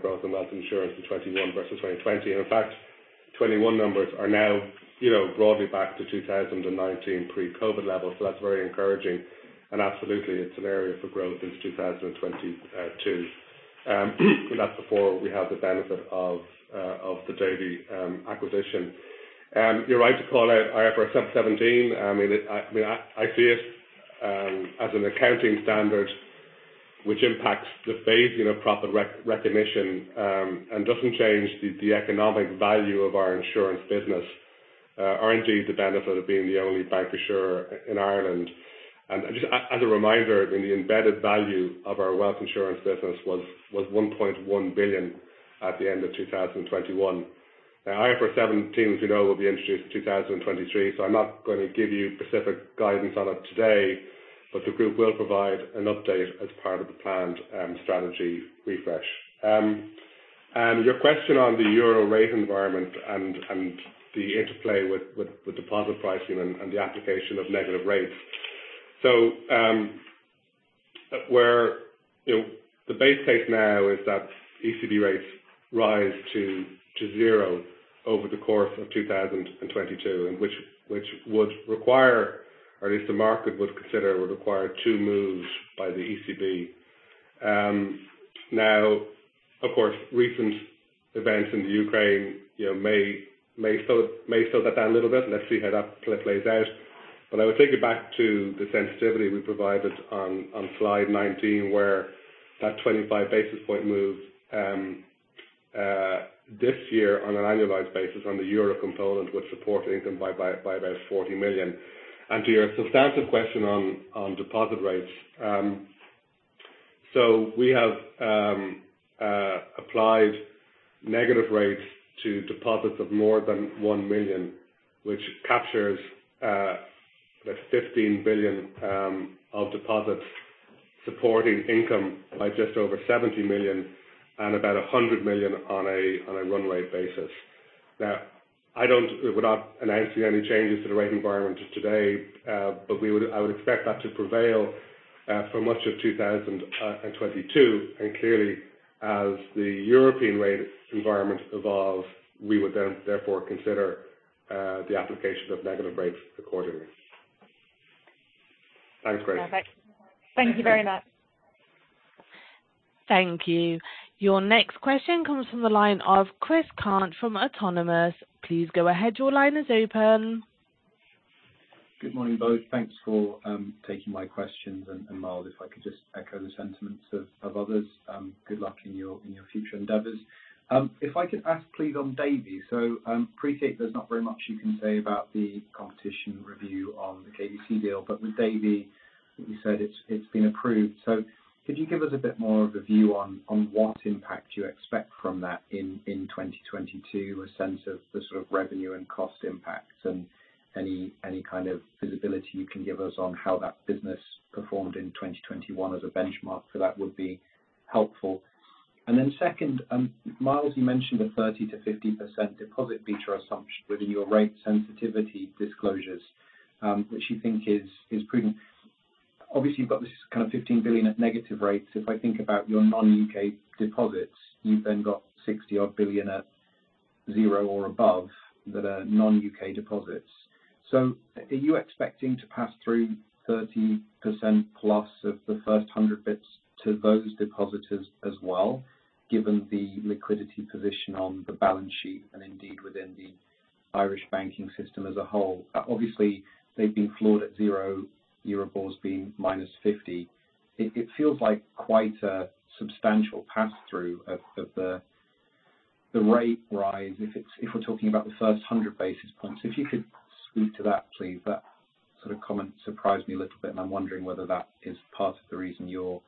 growth in wealth insurance in 2021 versus 2020. In fact, 2021 numbers are now, you know, broadly back to 2019 pre-COVID levels. So that's very encouraging. Absolutely, it's an area for growth into 2022. That's before we have the benefit of the Davy acquisition. You're right to call out IFRS 17. I mean, I see it as an accounting standard which impacts the phasing of profit recognition, and doesn't change the economic value of our insurance business. Or indeed, the benefit of being the only bank insurer in Ireland. Just as a reminder, I mean, the embedded value of our wealth insurance business was 1.1 billion at the end of 2021. Now, IFRS 17, as we know, will be introduced in 2023, so I'm not going to give you specific guidance on it today, but the group will provide an update as part of the planned strategy refresh. Your question on the euro rate environment and the interplay with deposit pricing and the application of negative rates. where, you know, the base case now is that ECB rates rise to zero over the course of 2022, or at least the market would consider would require two moves by the ECB. Now of course, recent events in the Ukraine, you know, may slow that down a little bit. Let's see how that plays out. I would take you back to the sensitivity we provided on Slide 19, where that 25 basis point move this year on an annualized basis on the euro component would support income by about 40 million. To your substantive question on deposit rates. So we have applied negative rates to deposits of more than €1 million, which captures like €15 billion of deposits supporting income by just over €70 million and about €100 million on a run rate basis. Now, we're not announcing any changes to the rate environment just today. I would expect that to prevail for much of 2022. Clearly, as the European rate environment evolves, we would then therefore consider the application of negative rates accordingly. Thanks, Grace. Perfect. Thank you very much. Thank you. Your next question comes from the line of Chris Cant from Autonomous. Please go ahead. Your line is open. Good morning, both. Thanks for taking my questions. Myles, if I could just echo the sentiments of others, good luck in your future endeavors. If I could ask please on Davy. I appreciate there's not very much you can say about the competition review on the KBC deal, but with Davy, you said it's been approved. Could you give us a bit more of a view on what impact you expect from that in 2022? A sense of the sort of revenue and cost impacts and any kind of visibility you can give us on how that business performed in 2021 as a benchmark for that would be helpful. Then second, Myles, you mentioned a 30%-50% deposit beta assumption within your rate sensitivity disclosures, which you think is prudent. Obviously, you've got this kind of 15 billion at negative rates. If I think about your non-U.K. deposits, you've then got 60 billion at zero or above that are non-U.K. deposits. Are you expecting to pass through 30%+ of the first 100 basis points to those depositors as well, given the liquidity position on the balance sheet and indeed within the Irish banking system as a whole? Obviously, they've been floored at zero, EURIBOR being minus 50 basis points. It feels like quite a substantial pass-through of the rate rise, if we're talking about the first 100 basis points, if you could speak to that, please. That sort of comment surprised me a little bit, and I'm wondering whether that is part of the reason your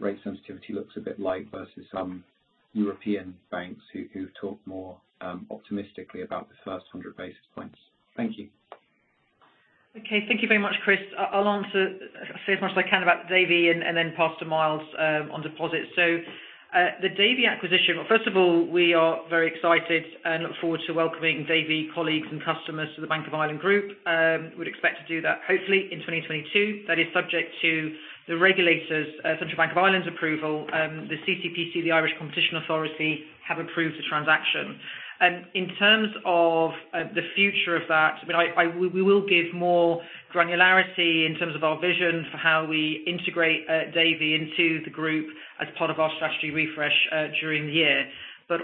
rate sensitivity looks a bit light versus some European banks who've talked more optimistically about the first 100 basis points. Thank you. Okay. Thank you very much, Chris. I'll answer, say as much as I can about Davy and then pass to Myles on deposits. The Davy acquisition. First of all, we are very excited and look forward to welcoming Davy colleagues and customers to the Bank of Ireland Group. Would expect to do that hopefully in 2022. That is subject to the regulators, Central Bank of Ireland's approval, the CCPC, the Irish Competition Authority, have approved the transaction. In terms of the future of that, I mean. We will give more granularity in terms of our vision for how we integrate Davy into the group as part of our strategy refresh during the year.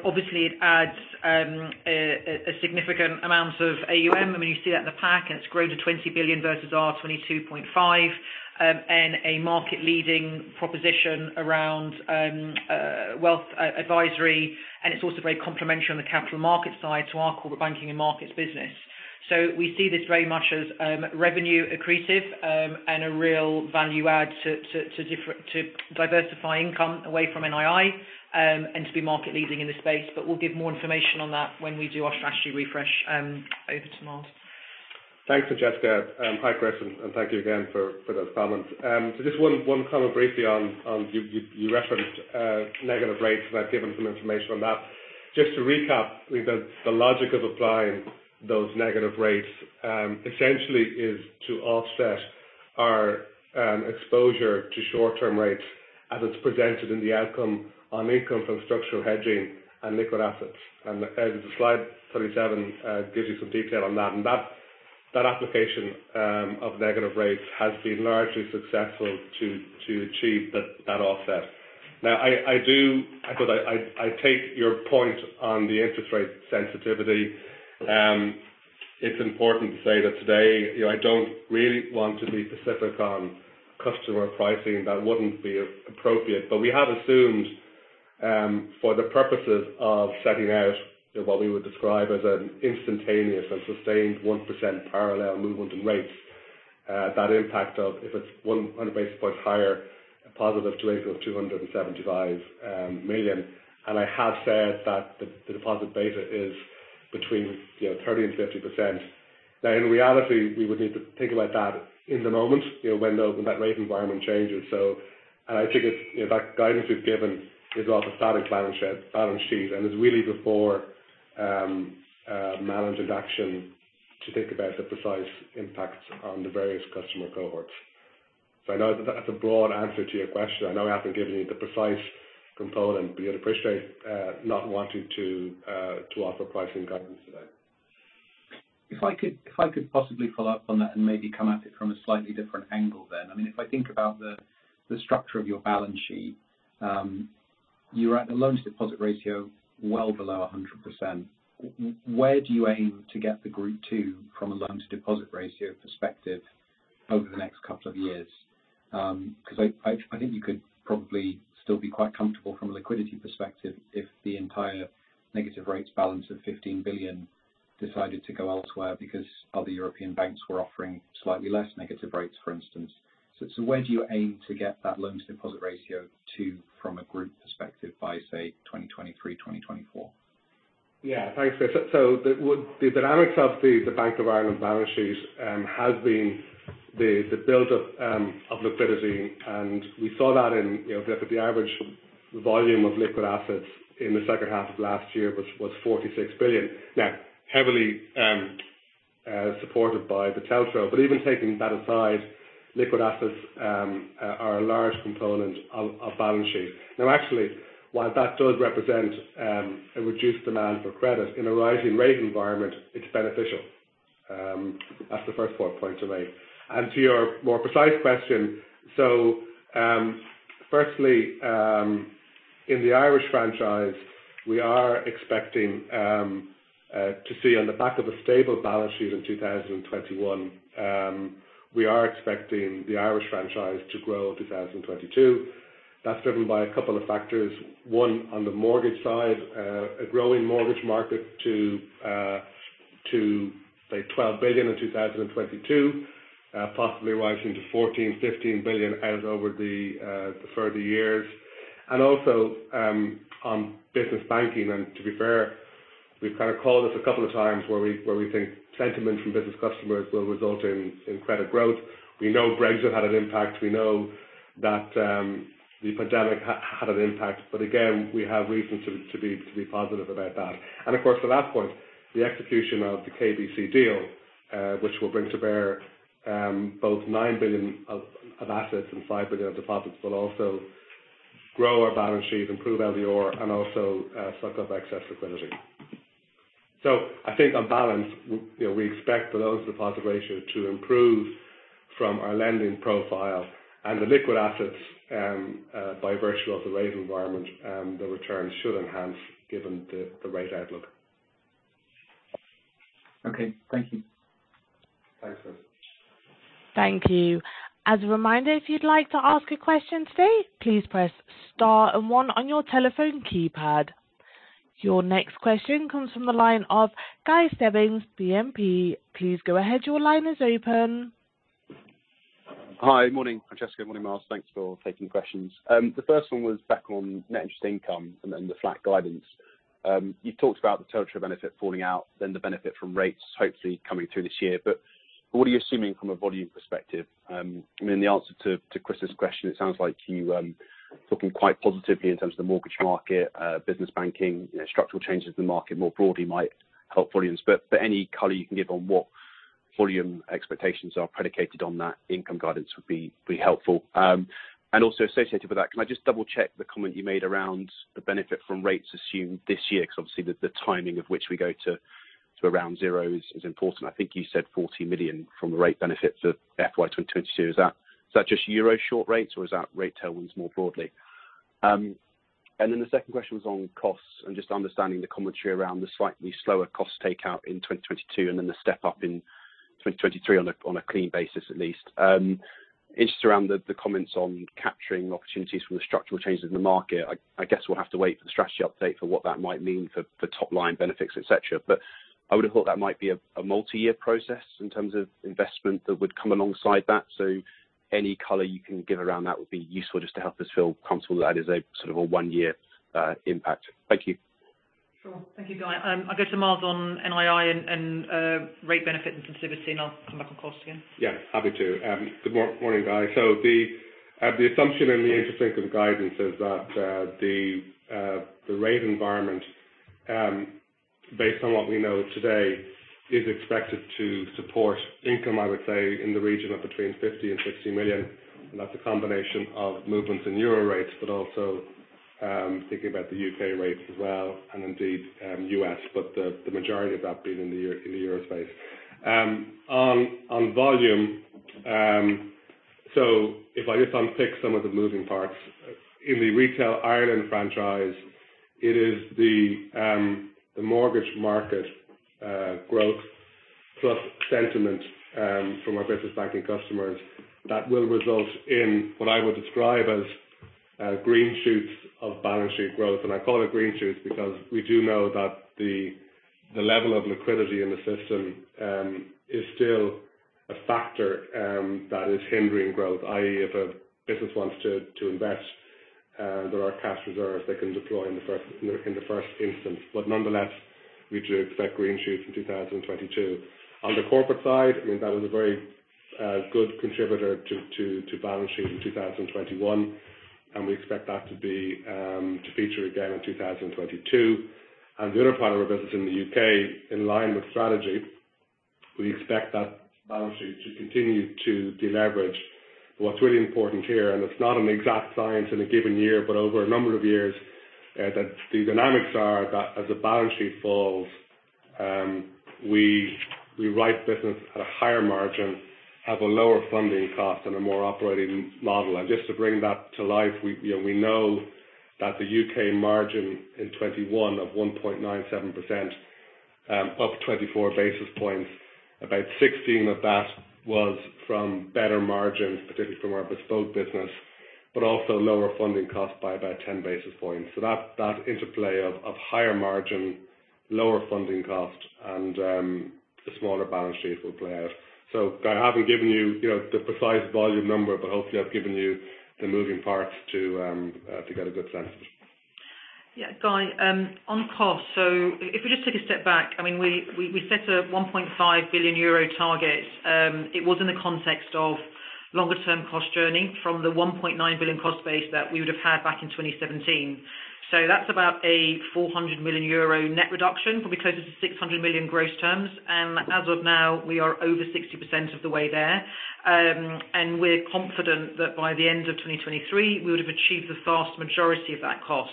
Obviously it adds a significant amount of AUM. I mean, you see that in the pack, and it's grown to 20 billion versus our EUR 22.5 billion, and a market leading proposition around wealth advisory, and it's also very complementary on the capital market side to our corporate banking and markets business. We see this very much as revenue accretive, and a real value add to diversify income away from NII, and to be market leading in this space. We'll give more information on that when we do our strategy refresh, over to Myles. Thanks, Francesca. Hi, Chris, and thank you again for those comments. Just one comment briefly on you referenced negative rates, and I've given some information on that. To recap, the logic of applying those negative rates essentially is to offset our exposure to short-term rates as it's presented in the outcome on income from structural hedging and liquid assets. As the slide 27 gives you some detail on that. That application of negative rates has been largely successful to achieve that offset. Now, I take your point on the interest rate sensitivity. It's important to say that today, you know, I don't really want to be specific on customer pricing. That wouldn't be appropriate. We have assumed for the purposes of setting out what we would describe as an instantaneous and sustained 1% parallel movement in rates, that impact of if it's 100 basis points higher, a positive to NII of 275 million. I have said that the deposit beta is between, you know, 30%-50%. Now, in reality, we would need to think about that in the moment, you know, when that rate environment changes. I think it's, you know, that guidance we've given is off a static balance sheet, and it's really before management action to think about the precise impacts on the various customer cohorts. I know that that's a broad answer to your question. I know I haven't given you the precise component, but you'll appreciate not wanting to offer pricing guidance today. If I could possibly follow up on that and maybe come at it from a slightly different angle, then. I mean, if I think about the structure of your balance sheet, you're at a loan-to-deposit ratio well below 100%. Where do you aim to get the group to from a loan-to-deposit ratio perspective over the next couple of years? 'Cause I think you could probably still be quite comfortable from a liquidity perspective if the entire negative rates balance of 15 billion decided to go elsewhere because other European banks were offering slightly less negative rates, for instance. Where do you aim to get that loan-to-deposit ratio to from a group perspective by, say, 2023, 2024? Yeah. Thanks, Chris. With the dynamics of the Bank of Ireland balance sheets has been the build of liquidity, and we saw that in, you know, the average volume of liquid assets in the second half of last year, which was 46 billion. Now, heavily supported by the TLTRO. But even taking that aside, liquid assets are a large component of balance sheet. Now, actually, while that does represent a reduced demand for credit in a rising rate environment, it's beneficial. That's the first point to make. To your more precise question. Firstly, in the Irish franchise, we are expecting to see on the back of a stable balance sheet in 2021, we are expecting the Irish franchise to grow in 2022. That's driven by a couple of factors. One, on the mortgage side, a growing mortgage market to say 12 billion in 2022, possibly rising to 14 billion, 15 billion out over the further years. Also, on business banking, and to be fair, we've kind of called this a couple of times where we think sentiment from business customers will result in credit growth. We know Brexit had an impact. We know that the pandemic had an impact. Again, we have reason to be positive about that. Of course, the last point, the execution of the KBC deal, which will bring to bear both 9 billion of assets and 5 billion of deposits, will also grow our balance sheet, improve LDR, and also suck up excess liquidity. I think on balance, you know, we expect the loans deposit ratio to improve from our lending profile and the liquid assets, by virtue of the rate environment, the returns should enhance given the rate outlook. Okay, thank you. Thanks, Myles. Thank you. As a reminder, if you'd like to ask a question today, please press star and one on your telephone keypad. Your next question comes from the line of Guy Stebbings, BNP. Please go ahead. Your line is open. Hi. Morning, Francesca. Morning, Myles. Thanks for taking questions. The first one was back on net interest income and then the flat guidance. You talked about the TLTRO benefit falling out, then the benefit from rates hopefully coming through this year. What are you assuming from a volume perspective? I mean, the answer to Chris's question, it sounds like you looking quite positively in terms of the mortgage market, business banking, you know, structural changes in the market more broadly might help volumes. Any color you can give on what volume expectations are predicated on that income guidance would be helpful. Also associated with that, can I just double-check the comment you made around the benefit from rates assumed this year? Because obviously the timing of which we go to around zero is important. I think you said 40 million from the rate benefits of FY 2022. Is that just Euro short rates or is that rate tailwinds more broadly? The second question was on costs and just understanding the commentary around the slightly slower cost takeout in 2022 and then the step up in 2023 on a clean basis at least. Interest around the comments on capturing opportunities from the structural changes in the market. I guess we'll have to wait for the strategy update for what that might mean for top line benefits, et cetera. I would have thought that might be a multi-year process in terms of investment that would come alongside that. Any color you can give around that would be useful just to help us feel comfortable that is a sort of a 1-year impact. Thank you. Sure. Thank you, Guy. I'll go to Myles on NII and rate benefit and sensitivity, and I'll come back on cost again. Yeah, happy to. Good morning, Guy. The assumption in the interest income guidance is that the rate environment, based on what we know today, is expected to support income, I would say, in the region of between 50 million and 60 million. That's a combination of movements in euro rates, but also, thinking about the U.K. rates as well and indeed, U.S. The majority of that being in the Euro space. On volume, so if I just unpick some of the moving parts. In the Retail Ireland franchise, it is the mortgage market growth plus sentiment from our business banking customers that will result in what I would describe as green shoots of balance sheet growth. I call it green shoots because we do know that the level of liquidity in the system is still a factor that is hindering growth, i.e., if a business wants to invest, there are cash reserves they can deploy in the first instance. Nonetheless, we do expect green shoots in 2022. On the corporate side, I mean, that was a very good contributor to balance sheet in 2021, and we expect that to feature again in 2022. The other part of our business in the U.K., in line with strategy, we expect that balance sheet to continue to deleverage. What's really important here, and it's not an exact science in a given year, but over a number of years, that the dynamics are that as the balance sheet falls, we write business at a higher margin, have a lower funding cost and a more operating model. Just to bring that to life, you know, we know that the U.K. margin in 2021 of 1.97%, up 24 basis points, about 16 of that was from better margins, particularly from our bespoke business, but also lower funding costs by about 10 basis points. That interplay of higher margin, lower funding cost and a smaller balance sheet will play out. Guy, I haven't given you know, the precise volume number, but hopefully I've given you the moving parts to get a good sense. Yeah, Guy, on cost, if we just take a step back, I mean, we set a 1.5 billion euro target. It was in the context of longer term cost journey from the 1.9 billion cost base that we would have had back in 2017. That's about a 400 million euro net reduction, probably closer to 600 million gross terms. As of now, we are over 60% of the way there. We're confident that by the end of 2023, we would have achieved the vast majority of that cost.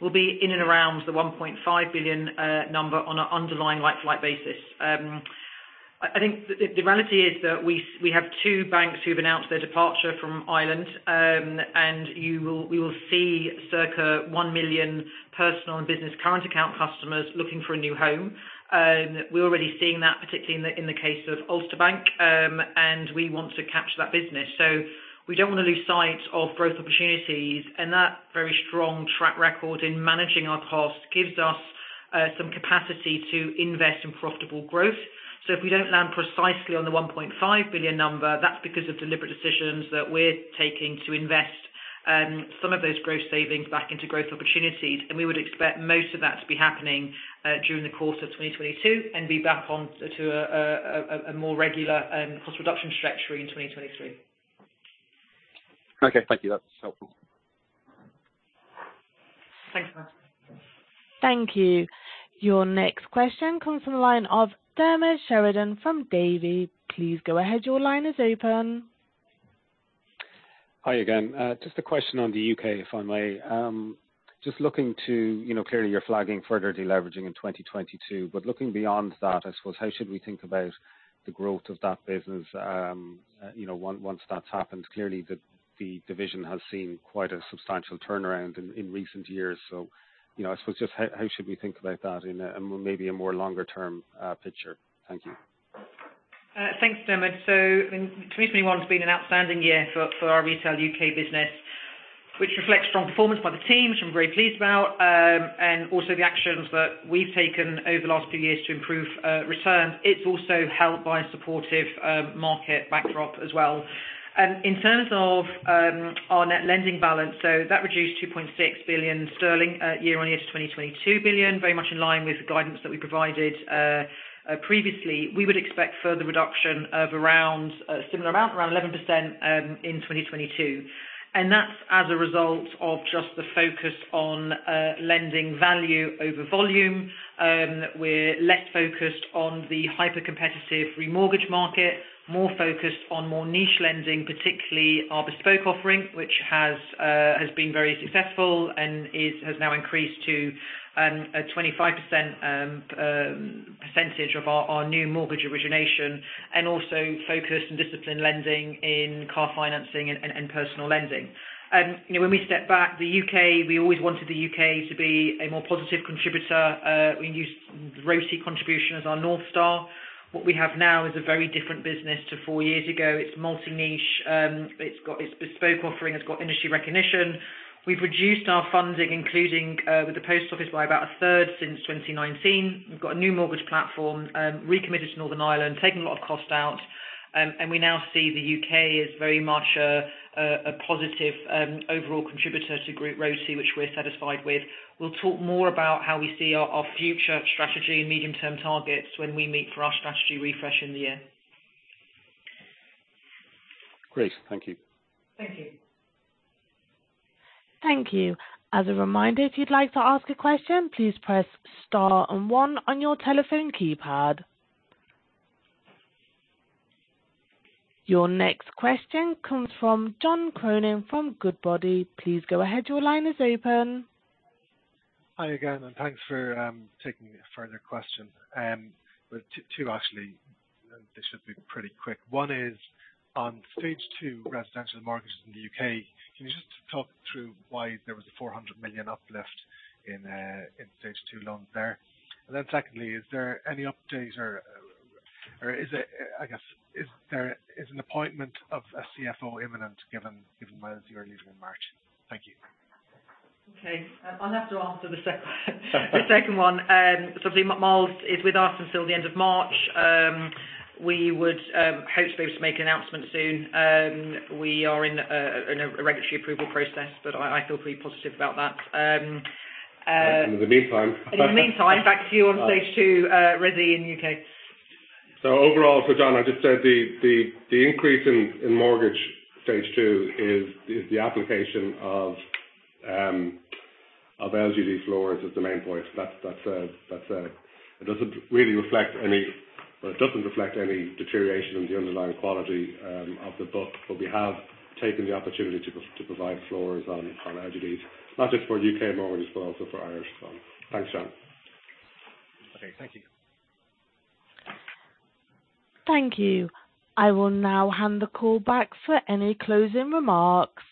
We'll be in and around the 1.5 billion number on an underlying like-for-like basis. I think the reality is that we have 2 banks who've announced their departure from Ireland, and we will see circa 1 million personal and business current account customers looking for a new home. We're already seeing that, particularly in the case of Ulster Bank, and we want to capture that business. We don't want to lose sight of growth opportunities. That very strong track record in managing our costs gives us some capacity to invest in profitable growth. If we don't land precisely on the 1.5 billion number, that's because of deliberate decisions that we're taking to invest some of those growth savings back into growth opportunities. We would expect most of that to be happening during the course of 2022 and be back on to a more regular cost reduction trajectory in 2023. Okay, thank you. That's helpful. Thanks, Guy. Thank you. Your next question comes from the line of Diarmaid Sheridan from Davy. Please go ahead. Your line is open. Hi again. Just a question on the U.K., if I may. Just looking to, you know, clearly you're flagging further deleveraging in 2022, but looking beyond that, I suppose, how should we think about the growth of that business, you know, once that's happened? Clearly, the division has seen quite a substantial turnaround in recent years. You know, I suppose just how should we think about that in a maybe a more longer term picture? Thank you. Thanks, Diarmaid. 2021 has been an outstanding year for our retail U.K. business, which reflects strong performance by the teams, which I'm very pleased about, and also the actions that we've taken over the last few years to improve returns. It's also helped by a supportive market backdrop as well. In terms of our net lending balance, so that reduced 2.6 billion sterling year-on-year to 2.2 billion, very much in line with the guidance that we provided previously. We would expect further reduction of around a similar amount, around 11%, in 2022. That's as a result of just the focus on lending value over volume. We're less focused on the hyper-competitive remortgage market, more focused on more niche lending, particularly our bespoke offering, which has been very successful and has now increased to a 25% of our new mortgage origination and also focused and disciplined lending in car financing and personal lending. You know, when we step back, the U.K., we always wanted the U.K. to be a more positive contributor. We use ROTE contribution as our North Star. What we have now is a very different business to four years ago. It's multi-niche. It's got its bespoke offering. It's got industry recognition. We've reduced our funding, including with the Post Office by about a third since 2019. We've got a new mortgage platform, recommitted to Northern Ireland, taken a lot of cost out. We now see the U.K. as very much a positive overall contributor to group ROTE, which we're satisfied with. We'll talk more about how we see our future strategy and medium-term targets when we meet for our strategy refresh in the year. Great. Thank you. Thank you. Thank you. As a reminder, if you'd like to ask a question, please press Star and One on your telephone keypad. Your next question comes from John Cronin from Goodbody. Please go ahead. Your line is open. Hi again, and thanks for taking a further question. Well, two, actually. This should be pretty quick. One is on stage two residential markets in the U.K. Can you just talk through why there was a 400 million uplift in stage two loans there? And then secondly, is there any update or is it, I guess, is there an appointment of a CFO imminent given Myles here leaving in March? Thank you. Okay, I'll have to answer the second one. Myles is with us until the end of March. We would hope to be able to make an announcement soon. We are in a regulatory approval process, but I feel pretty positive about that. In the meantime. In the meantime, back to you on stage two, resi in U.K. Overall for John, I just said the increase in mortgage stage two is the application of LGD floors. That's the main point. It doesn't really reflect any deterioration in the underlying quality of the book, but we have taken the opportunity to provide floors on LGDs, not just for U.K. mortgage, but also for Irish. Thanks, John. Okay. Thank you. Thank you. I will now hand the call back for any closing remarks.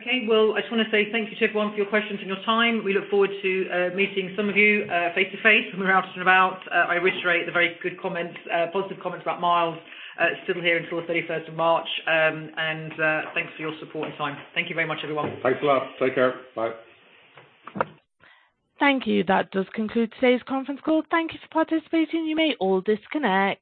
Okay. Well, I just wanna say thank you to everyone for your questions and your time. We look forward to meeting some of you face-to-face when we're out and about. I reiterate the very good comments, positive comments about Myles, still here until the thirty-first of March. Thanks for your support and time. Thank you very much, everyone. Thanks a lot. Take care. Bye. Thank you. That does conclude today's conference call. Thank you for participating. You may all disconnect.